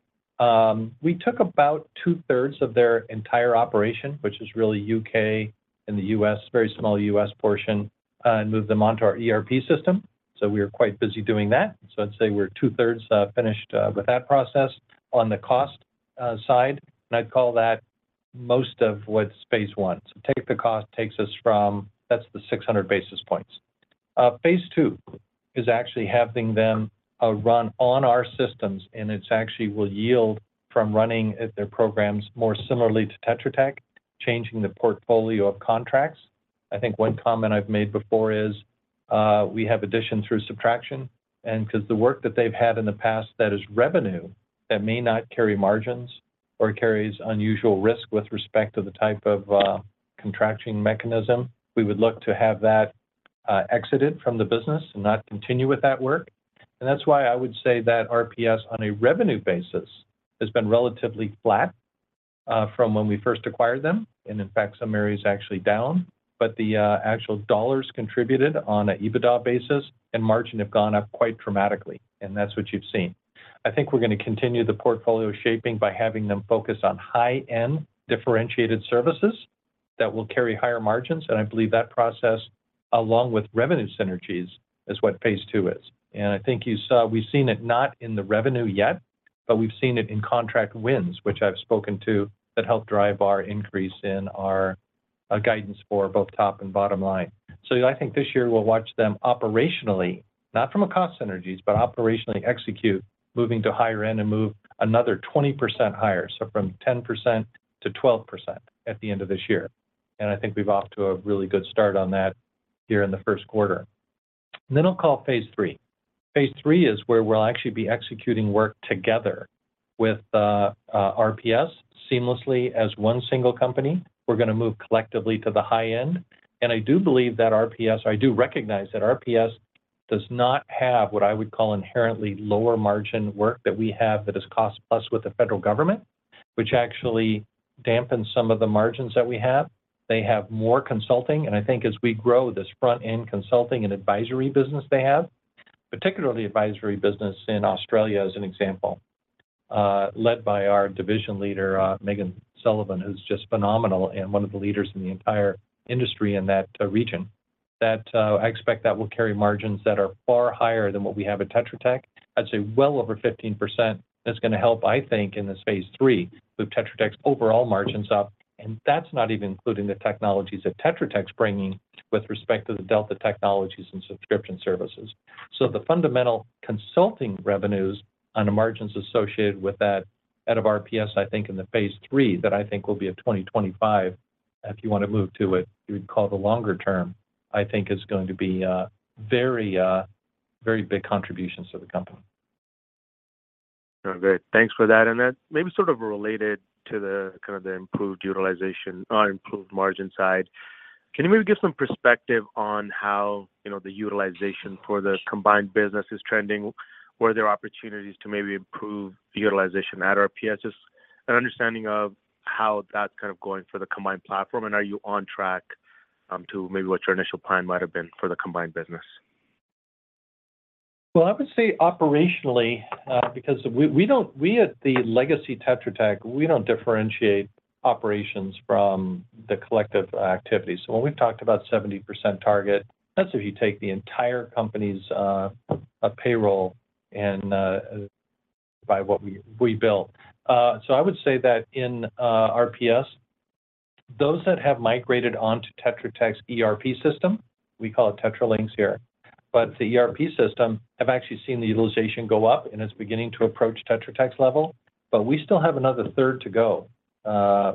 We took about two-thirds of their entire operation, which is really the U.K. and the U.S., very small U.S. portion, and moved them onto our ERP system. So we are quite busy doing that. So I'd say we're two-thirds finished with that process on the cost side, and I'd call that most of what's phase one. Take the cost takes us from... That's the 600 basis points. Phase two is actually having them run on our systems, and it's actually will yield from running their programs more similarly to Tetra Tech, changing the portfolio of contracts. I think one comment I've made before is, we have addition through subtraction, and 'cause the work that they've had in the past, that is revenue, that may not carry margins or carries unusual risk with respect to the type of contracting mechanism, we would look to have that exited from the business and not continue with that work. And that's why I would say that RPS, on a revenue basis, has been relatively flat from when we first acquired them, and in fact, some areas actually down. But the actual dollars contributed on an EBITDA basis and margin have gone up quite dramatically, and that's what you've seen. I think we're gonna continue the portfolio shaping by having them focus on high-end differentiated services that will carry higher margins, and I believe that process, along with revenue synergies, is what phase two is. And I think you saw, we've seen it not in the revenue yet, but we've seen it in contract wins, which I've spoken to, that help drive our increase in our guidance for both top and bottom line. So I think this year we'll watch them operationally, not from a cost synergies, but operationally execute, moving to higher end and move another 20% higher, so from 10% to 12% at the end of this year. And I think we've off to a really good start on that here in the first quarter. Then I'll call phase three. Phase three is where we'll actually be executing work together with RPS seamlessly as one single company. We're gonna move collectively to the high end, and I do believe that RPS- I do recognize that RPS does not have what I would call inherently lower margin work that we have that is cost plus with the federal government, which actually dampen some of the margins that we have. They have more consulting, and I think as we grow this front-end consulting and advisory business they have, particularly advisory business in Australia, as an example, led by our division leader, Megan Sullivan, who's just phenomenal and one of the leaders in the entire industry in that region, that I expect that will carry margins that are far higher than what we have at Tetra Tech. I'd say well over 15%. That's gonna help, I think, in this phase three, move Tetra Tech's overall margins up, and that's not even including the technologies that Tetra Tech is bringing with respect to the Delta technologies and subscription services. So the fundamental consulting revenues on the margins associated with that out of RPS, I think in the phase three, that I think will be a 2025, if you wanna move to it, you'd call the longer term, I think is going to be a very, very big contributions to the company. Oh, great. Thanks for that. And then maybe sort of related to the kind of the improved utilization or improved margin side, can you maybe give some perspective on how, you know, the utilization for the combined business is trending? Were there opportunities to maybe improve the utilization at RPS? Just an understanding of how that's kind of going for the combined platform, add are you on track to maybe what your initial plan might have been for the combined business? Well, I would say operationally, because we at the legacy Tetra Tech don't differentiate operations from the collective activities. So when we've talked about 70% target, that's if you take the entire company's payroll and by what we built. So I would say that in RPS, those that have migrated on to Tetra Tech's ERP system, we call it TetraLinx here. But the ERP system, I've actually seen the utilization go up, and it's beginning to approach Tetra Tech's level, but we still have another third to go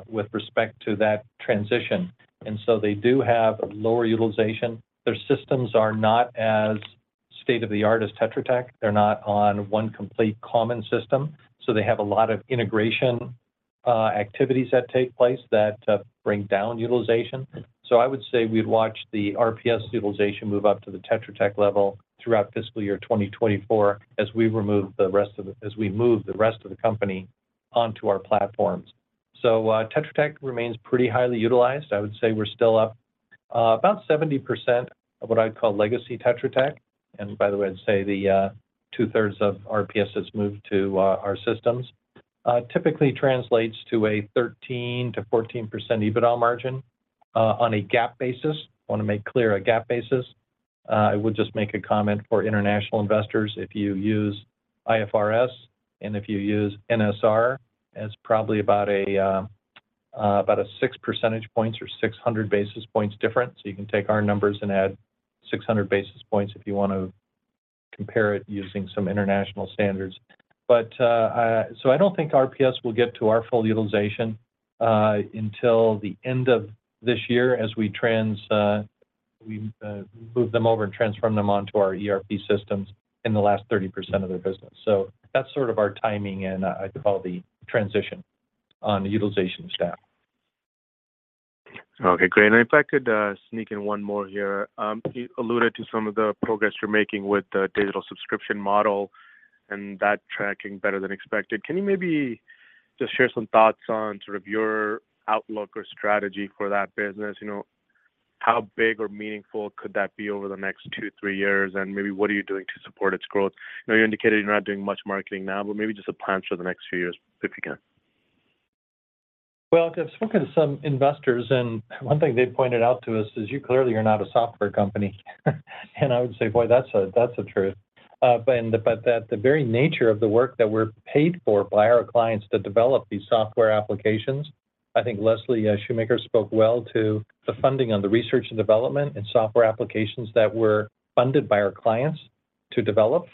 with respect to that transition, and so they do have lower utilization. Their systems are not as state-of-the-art as Tetra Tech. They're not on one complete common system, so they have a lot of integration activities that take place that bring down utilization. So I would say we'd watch the RPS utilization move up to the Tetra Tech level throughout fiscal year 2024, as we move the rest of the company onto our platforms. So, Tetra Tech remains pretty highly utilized. I would say we're still up about 70% of what I'd call legacy Tetra Tech, and by the way, I'd say the two-thirds of RPS has moved to our systems. Typically translates to a 13%-14% EBITDA margin on a GAAP basis. I wanna make clear, a GAAP basis. I would just make a comment for international investors, if you use IFRS and if you use NSR, it's probably about a 6 percentage points or 600 basis points different. So you can take our numbers and add 600 basis points if you wanna compare it using some international standards. But, so I don't think RPS will get to our full utilization until the end of this year as we move them over and transform them onto our ERP systems in the last 30% of their business. So that's sort of our timing, and, I'd call the transition on the utilization staff. Okay, great. And if I could, sneak in one more here. You alluded to some of the progress you're making with the digital subscription model and that tracking better than expected. Can you maybe just share some thoughts on sort of your outlook or strategy for that business? You know, how big or meaningful could that be over the next two, three years, and maybe what are you doing to support its growth? I know you indicated you're not doing much marketing now, but maybe just a plan for the next few years, if you can. Well, I've spoken to some investors, and one thing they pointed out to us is you clearly are not a software company. And I would say, "Boy, that's the truth." But the very nature of the work that we're paid for by our clients to develop these software applications, I think Leslie Shoemaker spoke well to the funding on the research and development and software applications that were funded by our clients to develop.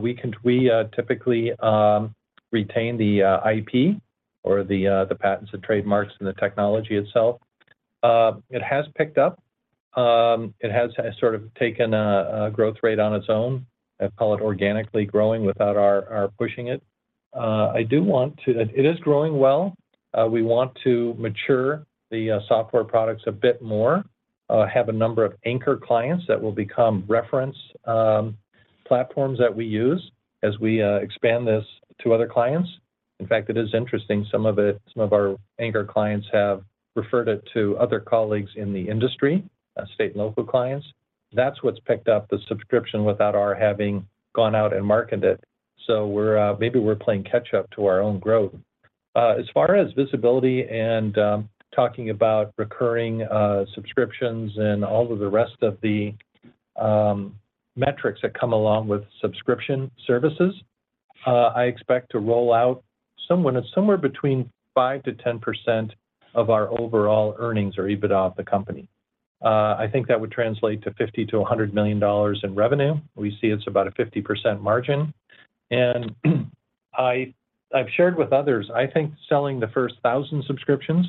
We typically retain the IP or the patents and trademarks and the technology itself. It has picked up. It has sort of taken a growth rate on its own. I call it organically growing without our pushing it. It is growing well. We want to mature the software products a bit more, have a number of anchor clients that will become reference platforms that we use as we expand this to other clients. In fact, it is interesting, some of it, some of our anchor clients have referred it to other colleagues in the industry, state and local clients. That's what's picked up the subscription without our having gone out and marketed it. So we're maybe we're playing catch up to our own growth. As far as visibility and talking about recurring subscriptions and all of the rest of the metrics that come along with subscription services, I expect to roll out somewhere between 5%-10% of our overall earnings or EBITDA of the company. I think that would translate to $50-$100 million in revenue. We see it's about a 50% margin, and I've shared with others, I think selling the first 1,000 subscriptions-...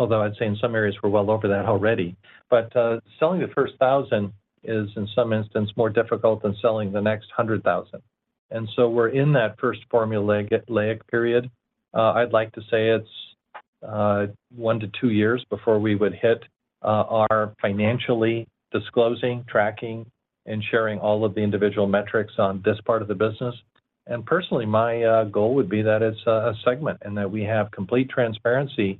Although I'd say in some areas we're well over that already. But, selling the first 1,000 is, in some instance, more difficult than selling the next 100,000. And so we're in that first formulaic, laic period. I'd like to say it's 1-2 years before we would hit our financially disclosing, tracking, and sharing all of the individual metrics on this part of the business. And personally, my goal would be that it's a segment, and that we have complete transparency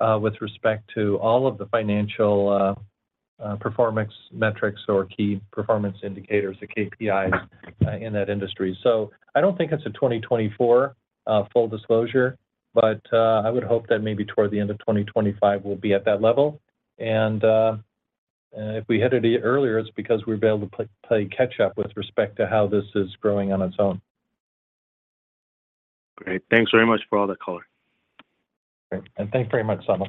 with respect to all of the financial performance metrics or key performance indicators, the KPIs, in that industry. So I don't think it's a 2024, full disclosure, but I would hope that maybe toward the end of 2025, we'll be at that level. And if we hit it earlier, it's because we've been able to play catch up with respect to how this is growing on its own. Great. Thanks very much for all that color. Great, thanks very much, Sabahat.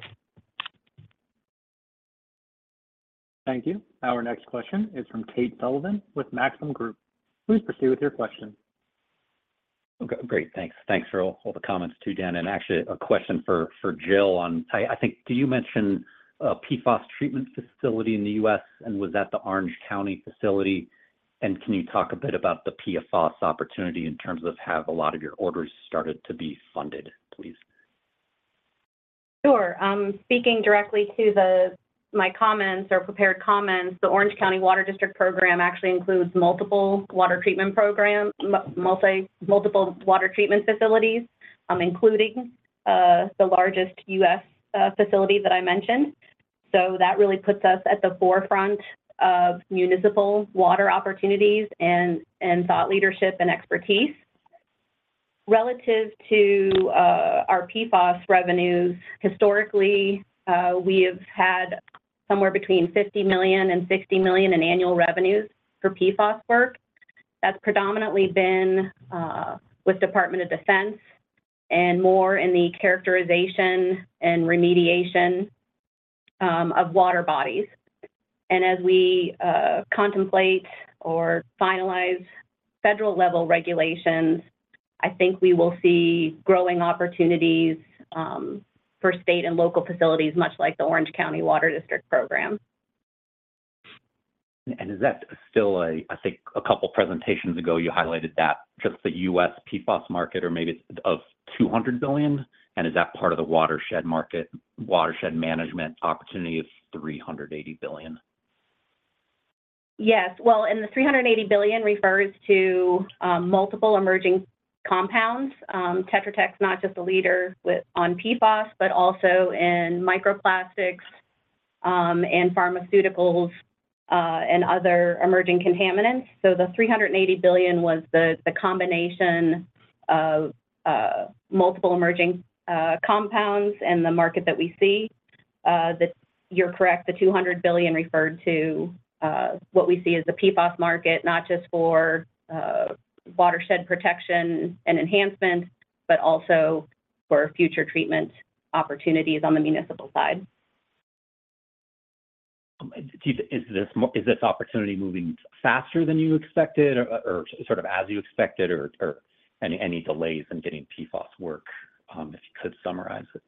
Thank you. Our next question is from Tate Sullivan with Maxim Group. Please proceed with your question. Okay, great. Thanks. Thanks for all the comments too, Dan. And actually, a question for Jill on... I think, did you mention a PFAS treatment facility in the U.S., and was that the Orange County facility? And can you talk a bit about the PFAS opportunity in terms of have a lot of your orders started to be funded, please? Sure. Speaking directly to my comments or prepared comments, the Orange County Water District program actually includes multiple water treatment programs, multiple water treatment facilities, including the largest U.S. facility that I mentioned. So that really puts us at the forefront of municipal water opportunities and thought leadership and expertise. Relative to our PFAS revenues, historically, we have had somewhere between $50 million and $60 million in annual revenues for PFAS work. That's predominantly been with Department of Defense and more in the characterization and remediation of water bodies. And as we contemplate or finalize federal level regulations, I think we will see growing opportunities for state and local facilities, much like the Orange County Water District program. Is that still a-- I think a couple of presentations ago, you highlighted that just the U.S. PFAS market or maybe it's of $200 billion, and is that part of the watershed market, watershed management opportunity of $380 billion? Yes. Well, and the $380 billion refers to multiple emerging compounds. Tetra Tech's not just a leader with, on PFAS, but also in microplastics, and pharmaceuticals, and other emerging contaminants. So the $380 billion was the combination of multiple emerging compounds and the market that we see. You're correct, the $200 billion referred to what we see as the PFAS market, not just for watershed protection and enhancement, but also for future treatment opportunities on the municipal side. Is this opportunity moving faster than you expected, or sort of as you expected, or any delays in getting PFAS work? If you could summarize it.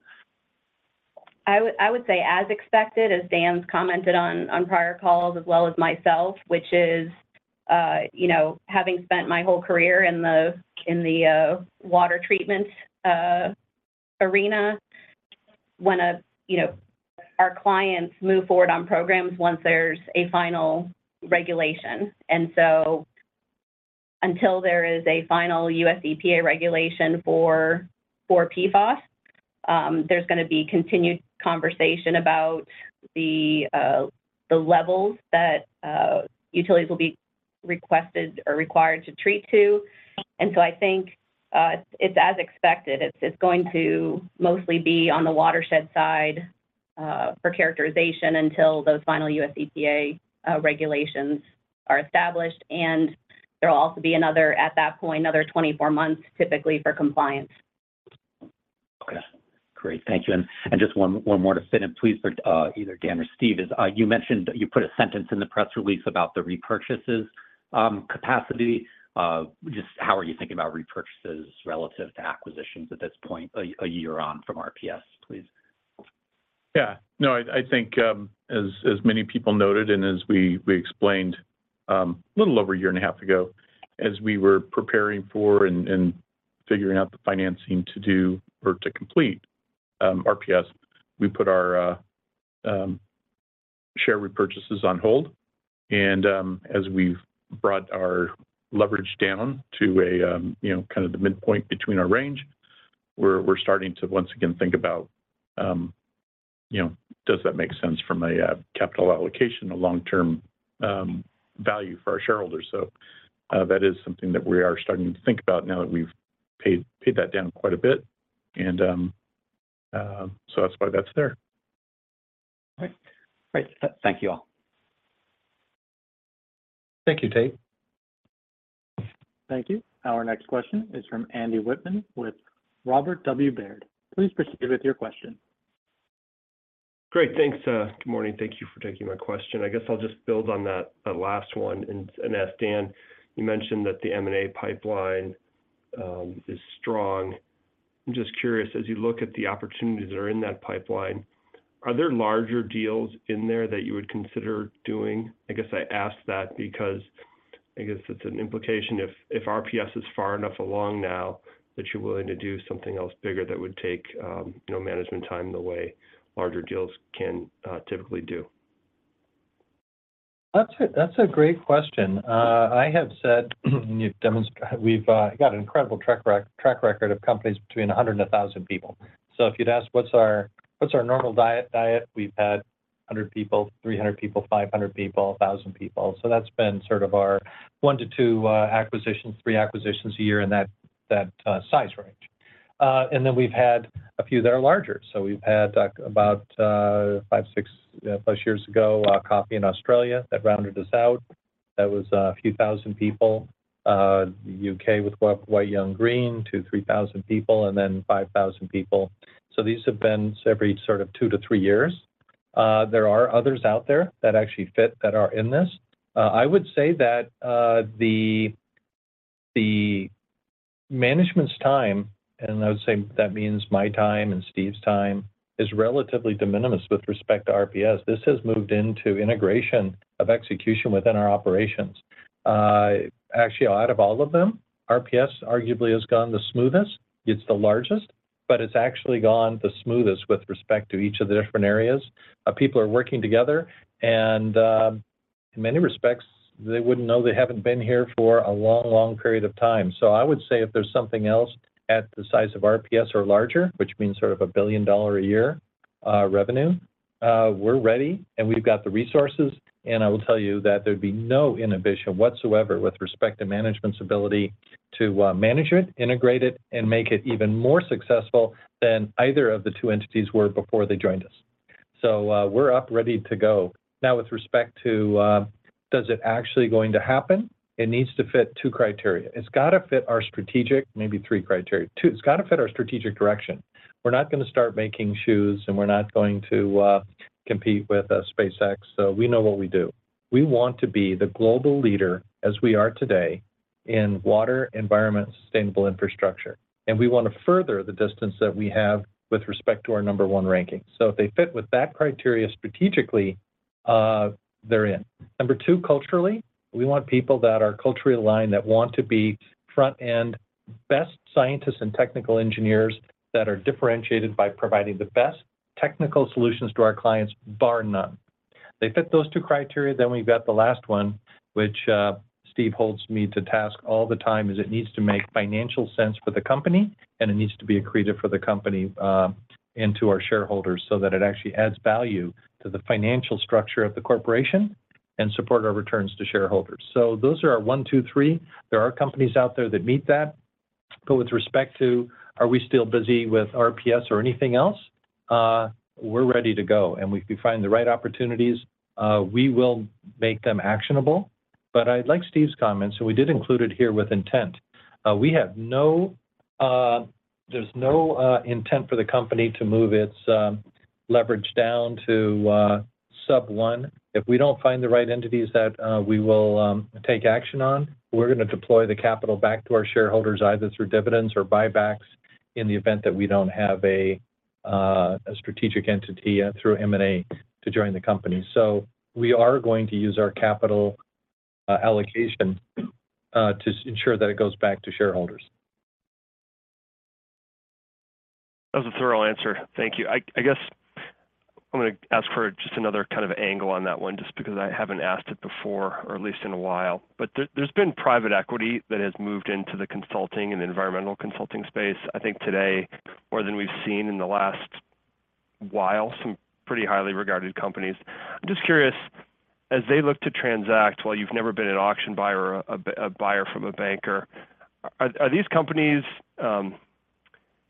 I would, I would say as expected, as Dan's commented on, on prior calls, as well as myself, which is, you know, having spent my whole career in the, in the, water treatment, arena, when a, you know, our clients move forward on programs once there's a final regulation. And so until there is a final U.S. EPA regulation for PFAS, there's gonna be continued conversation about the levels that utilities will be requested or required to treat to. And so I think it's as expected. It's going to mostly be on the watershed side for characterization until those final U.S. EPA regulations are established, and there will also be another, at that point, another 24 months, typically for compliance. Okay. Great. Thank you. And just one more to fit in, please, for either Dan or Steve, is you mentioned you put a sentence in the press release about the repurchases capacity. Just how are you thinking about repurchases relative to acquisitions at this point, a year on from RPS, please? Yeah. No, I think, as many people noted, and as we explained, a little over a year and a half ago, as we were preparing for and figuring out the financing to do or to complete RPS, we put our share repurchases on hold. And, as we've brought our leverage down to a, you know, kind of the midpoint between our range, we're starting to once again think about, you know, does that make sense from a capital allocation, a long-term value for our shareholders? So, that is something that we are starting to think about now that we've paid that down quite a bit. And, so that's why that's there. Great. Great. Thank you all. Thank you, Tate. Thank you. Our next question is from Andy Whitman with Robert W. Baird. Please proceed with your question. Great, thanks. Good morning. Thank you for taking my question. I guess I'll just build on that last one and ask Dan. You mentioned that the M&A pipeline is strong. I'm just curious, as you look at the opportunities that are in that pipeline, are there larger deals in there that you would consider doing? I guess I ask that because I guess it's an implication if RPS is far enough along now, that you're willing to do something else bigger that would take, you know, management time the way larger deals can, typically do. That's a great question. I have said, and you've demonstrated. We've got an incredible track record of companies between 100 and 1,000 people. So if you'd ask what's our normal diet, we've had 100 people, 300 people, 500 people, 1,000 people. So that's been sort of our 1-2 acquisitions, three acquisitions a year in that size range. And then we've had a few that are larger. So we've had about 5-6+ years ago, Coffey in Australia, that rounded us out. That was a few thousand people. UK with White Young Green, 2,000-3,000 people, and then 5,000 people. So these have been every sort of 2-3 years. There are others out there that actually fit, that are in this. I would say that the management's time, and I would say that means my time and Steve's time, is relatively de minimis with respect to RPS. This has moved into integration of execution within our operations. Actually, out of all of them, RPS arguably has gone the smoothest. It's the largest, but it's actually gone the smoothest with respect to each of the different areas. People are working together, and in many respects, they wouldn't know they haven't been here for a long, long period of time. So I would say if there's something else at the size of RPS or larger, which means sort of a $1 billion a year revenue, we're ready, and we've got the resources. And I will tell you that there'd be no inhibition whatsoever with respect to management's ability to manage it, integrate it, and make it even more successful than either of the two entities were before they joined us. So, we're up, ready to go. Now, with respect to does it actually going to happen, it needs to fit two criteria. It's got to fit our strategic, maybe three criteria. Two, it's got to fit our strategic direction. We're not gonna start making shoes, and we're not going to compete with SpaceX, so we know what we do. We want to be the global leader, as we are today, in water, environment, sustainable infrastructure, and we want to further the distance that we have with respect to our number one ranking. So if they fit with that criteria strategically, they're in. Number two, culturally, we want people that are culturally aligned, that want to be front-end, best scientists and technical engineers that are differentiated by providing the best technical solutions to our clients, bar none. They fit those two criteria, then we've got the last one, which, Steve holds me to task all the time, is it needs to make financial sense for the company, and it needs to be accretive for the company, and to our shareholders so that it actually adds value to the financial structure of the corporation and support our returns to shareholders. So those are our one, two, three. There are companies out there that meet that, but with respect to, are we still busy with RPS or anything else? We're ready to go, and if we find the right opportunities, we will make them actionable. But I'd like Steve's comments, so we did include it here with intent. We have no, there's no, intent for the company to move its, leverage down to, sub one. If we don't find the right entities that, we will, take action on, we're gonna deploy the capital back to our shareholders, either through dividends or buybacks, in the event that we don't have a, a strategic entity through M&A to join the company. So we are going to use our capital, allocation, to ensure that it goes back to shareholders. That was a thorough answer. Thank you. I guess I'm gonna ask for just another kind of angle on that one, just because I haven't asked it before, or at least in a while. But there, there's been private equity that has moved into the consulting and environmental consulting space, I think today, more than we've seen in the last while, some pretty highly regarded companies. I'm just curious, as they look to transact, while you've never been an auction buyer or a buyer from a banker, are these companies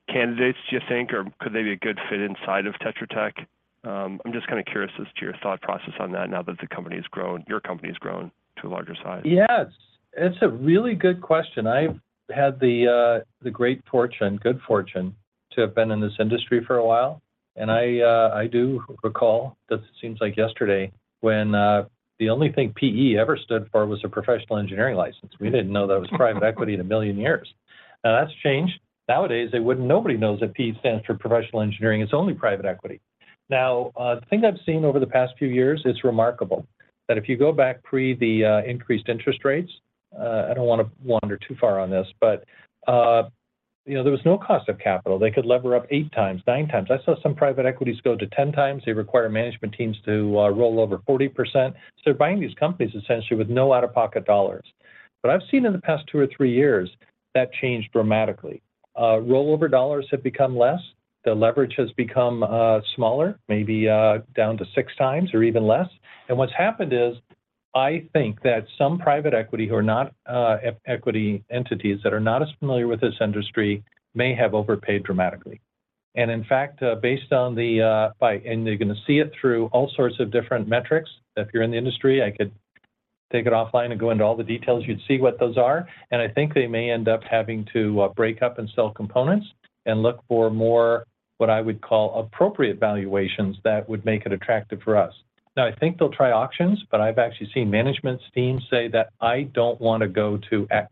candidates, do you think, or could they be a good fit inside of Tetra Tech? I'm just kind of curious as to your thought process on that now that the company has grown, your company has grown to a larger size. Yes, it's a really good question. I've had the great fortune, good fortune, to have been in this industry for a while, and I do recall that seems like yesterday, when the only thing PE ever stood for was a professional engineering license. We didn't know that it was private equity in a million years. Now, that's changed. Nowadays, nobody knows that PE stands for professional engineering. It's only private equity. Now, the thing I've seen over the past few years, it's remarkable, that if you go back pre the increased interest rates, I don't wanna wander too far on this, but, you know, there was no cost of capital. They could lever up 8 times, 9 times. I saw some private equities go to 10 times. They require management teams to roll over 40%. So they're buying these companies, essentially, with no out-of-pocket dollars. But I've seen in the past two or three years, that changed dramatically. Rollover dollars have become less, the leverage has become smaller, maybe down to 6x or even less. And what's happened is, I think that some private equity who are not equity entities that are not as familiar with this industry may have overpaid dramatically. And in fact, based on the, and they're gonna see it through all sorts of different metrics. If you're in the industry, I could take it offline and go into all the details, you'd see what those are. And I think they may end up having to break up and sell components and look for more, what I would call, appropriate valuations that would make it attractive for us. Now, I think they'll try auctions, but I've actually seen management teams say that, "I don't want to go to X."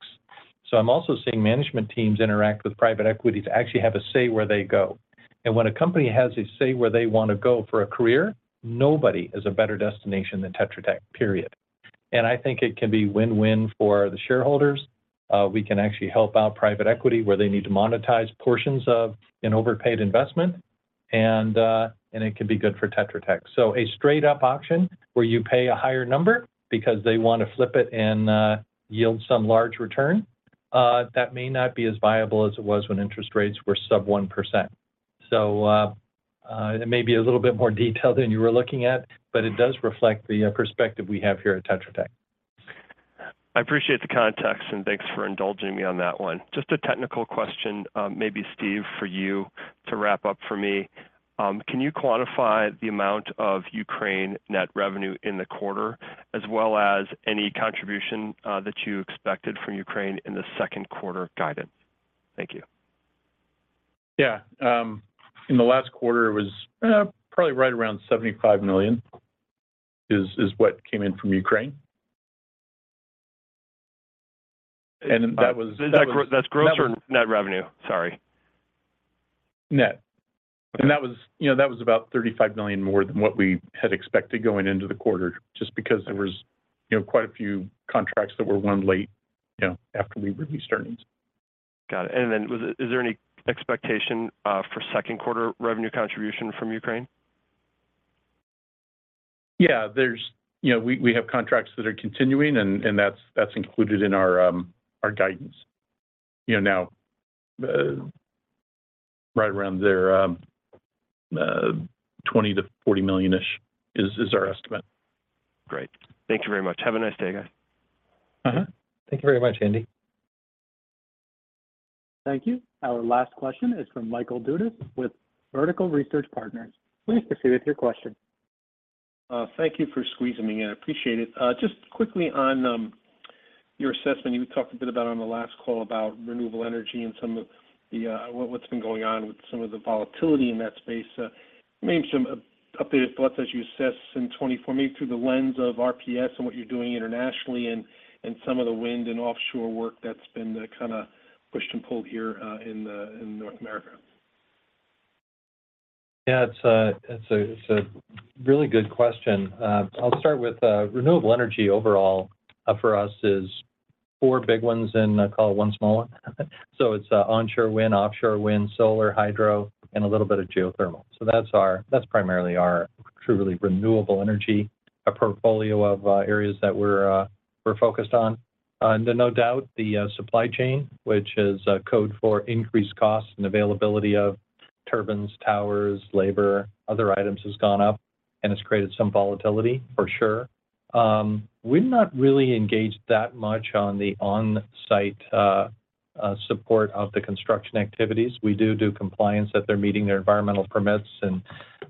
So I'm also seeing management teams interact with private equity to actually have a say where they go. And when a company has a say where they want to go for a career, nobody has a better destination than Tetra Tech, period. And I think it can be win-win for the shareholders, we can actually help out private equity where they need to monetize portions of an overpaid investment, and, and it can be good for Tetra Tech. So a straight-up auction where you pay a higher number because they want to flip it and, yield some large return, that may not be as viable as it was when interest rates were sub 1%. So, it may be a little bit more detailed than you were looking at, but it does reflect the perspective we have here at Tetra Tech. I appreciate the context, and thanks for indulging me on that one. Just a technical question, maybe Steve, for you to wrap up for me. Can you quantify the amount of Ukraine net revenue in the quarter, as well as any contribution, that you expected from Ukraine in the second quarter guidance? Thank you. Yeah. In the last quarter, it was probably right around $75 million, is what came in from Ukraine. And that was- That's gross or net revenue? Sorry. Net. Okay. That was, you know, that was about $35 million more than what we had expected going into the quarter, just because there was, you know, quite a few contracts that were won late, you know, after we released earnings. Got it. And then, is there any expectation for second quarter revenue contribution from Ukraine? Yeah, there's... You know, we have contracts that are continuing, and that's included in our guidance. You know, now, right around there, $20 million-$40 million-ish is our estimate. Great. Thank you very much. Have a nice day, guys. Uh-huh. Thank you very much, Andy. Thank you. Our last question is from Michael Dudas with Vertical Research Partners. Please proceed with your question. Thank you for squeezing me in. I appreciate it. Just quickly on your assessment, you talked a bit about on the last call about renewable energy and some of the what what's been going on with some of the volatility in that space. Maybe some updated thoughts as you assess in 2024, maybe through the lens of RPS and what you're doing internationally and some of the wind and offshore work that's been kinda pushed and pulled here in the in North America. Yeah, it's a really good question. I'll start with renewable energy overall, for us is four big ones in, call it one small one. So it's onshore wind, offshore wind, solar, hydro, and a little bit of geothermal. So that's our, that's primarily our truly renewable energy, a portfolio of areas that we're focused on. And no doubt, the supply chain, which is code for increased costs and availability of turbines, towers, labor, other items has gone up, and it's created some volatility, for sure. We're not really engaged that much on the on-site support of the construction activities. We do do compliance that they're meeting their environmental permits and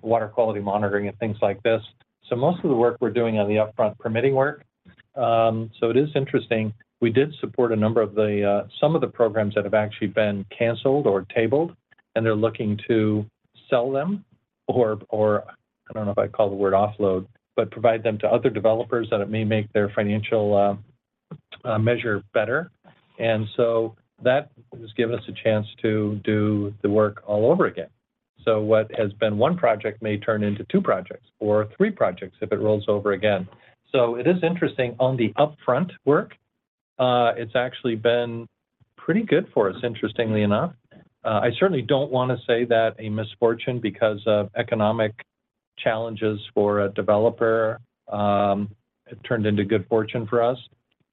water quality monitoring and things like this. So most of the work we're doing on the upfront permitting work. So it is interesting, we did support a number of the, some of the programs that have actually been canceled or tabled, and they're looking to sell them or, or I don't know if I'd call the word offload, but provide them to other developers, that it may make their financial measure better. And so that has given us a chance to do the work all over again. So what has been one project may turn into two projects or three projects if it rolls over again. So it is interesting on the upfront work, it's actually been pretty good for us, interestingly enough. I certainly don't want to say that a misfortune because of economic challenges for a developer, it turned into good fortune for us,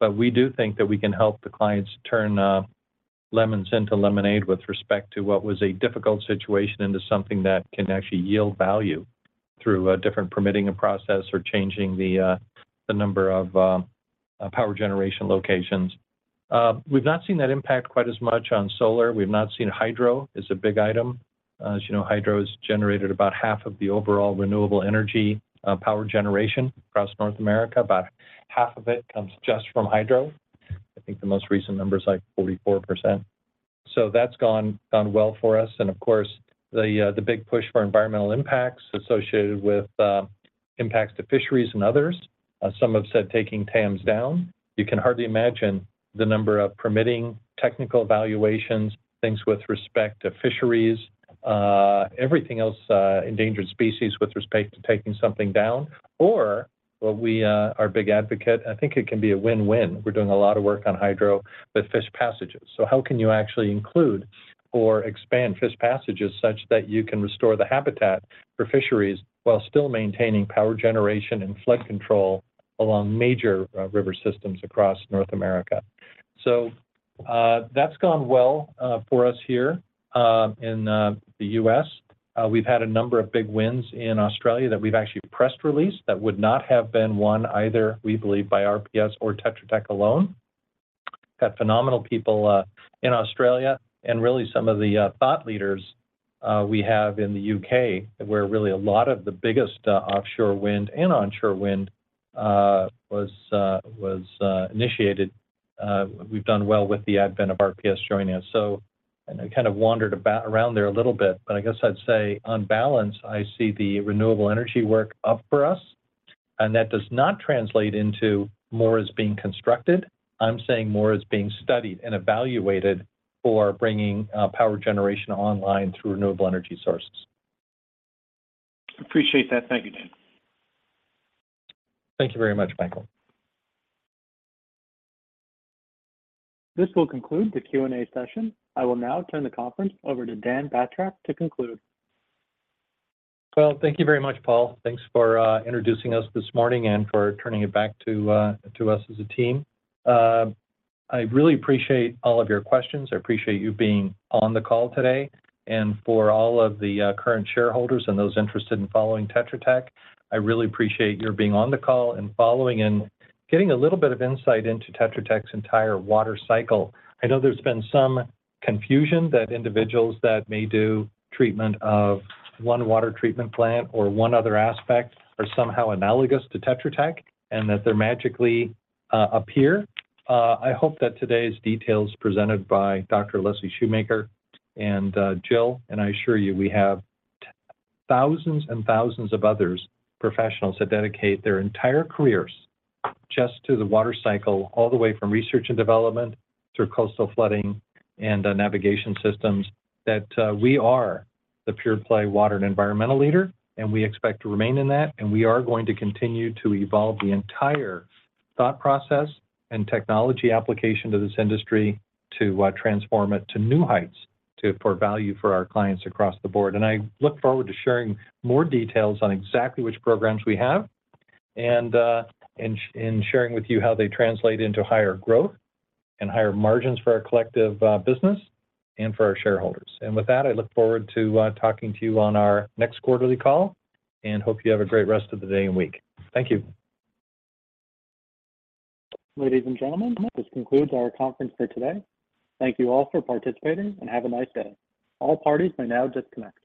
but we do think that we can help the clients turn, lemons into lemonade with respect to what was a difficult situation into something that can actually yield value through, different permitting and process or changing the, the number of, power generation locations. We've not seen that impact quite as much on solar. We've not seen hydro as a big item. As you know, hydro has generated about half of the overall renewable energy, power generation across North America. About half of it comes just from hydro. I think the most recent number is, like, 44%. So that's gone well for us, and of course, the big push for environmental impacts associated with impacts to fisheries and others. Some have said taking dams down. You can hardly imagine the number of permitting, technical evaluations, things with respect to fisheries, everything else, endangered species with respect to taking something down, or what we are a big advocate. I think it can be a win-win. We're doing a lot of work on hydro with fish passages. So how can you actually include or expand fish passages such that you can restore the habitat for fisheries while still maintaining power generation and flood control along major river systems across North America? So, that's gone well for us here in the U.S. We've had a number of big wins in Australia that we've actually press released, that would not have been won either, we believe, by RPS or Tetra Tech alone. Got phenomenal people in Australia and really some of the thought leaders we have in the U.K., where really a lot of the biggest offshore wind and onshore wind was initiated. We've done well with the advent of RPS joining us. And I kind of wandered about around there a little bit, but I guess I'd say on balance, I see the renewable energy work up for us, and that does not translate into more is being constructed. I'm saying more is being studied and evaluated for bringing power generation online through renewable energy sources. Appreciate that. Thank you, Dan. Thank you very much, Michael. This will conclude the Q&A session. I will now turn the conference over to Dan Batrack to conclude. Well, thank you very much, Paul. Thanks for introducing us this morning and for turning it back to us as a team. I really appreciate all of your questions. I appreciate you being on the call today, and for all of the current shareholders and those interested in following Tetra Tech, I really appreciate your being on the call and following and getting a little bit of insight into Tetra Tech's entire water cycle. I know there's been some confusion that individuals that may do treatment of one water treatment plant or one other aspect are somehow analogous to Tetra Tech, and that they're magically appear. I hope that today's details presented by Dr. Leslie Shoemaker and, Jill, and I assure you, we have thousands and thousands of others, professionals, that dedicate their entire careers just to the water cycle, all the way from research and development through coastal flooding and, navigation systems, that, we are the pure play water and environmental leader, and we expect to remain in that. And we are going to continue to evolve the entire thought process and technology application to this industry to, transform it to new heights, to pour value for our clients across the board. And I look forward to sharing more details on exactly which programs we have, and, and sharing with you how they translate into higher growth and higher margins for our collective, business and for our shareholders. With that, I look forward to talking to you on our next quarterly call, and hope you have a great rest of the day and week. Thank you. Ladies and gentlemen, this concludes our conference for today. Thank you all for participating, and have a nice day. All parties may now disconnect.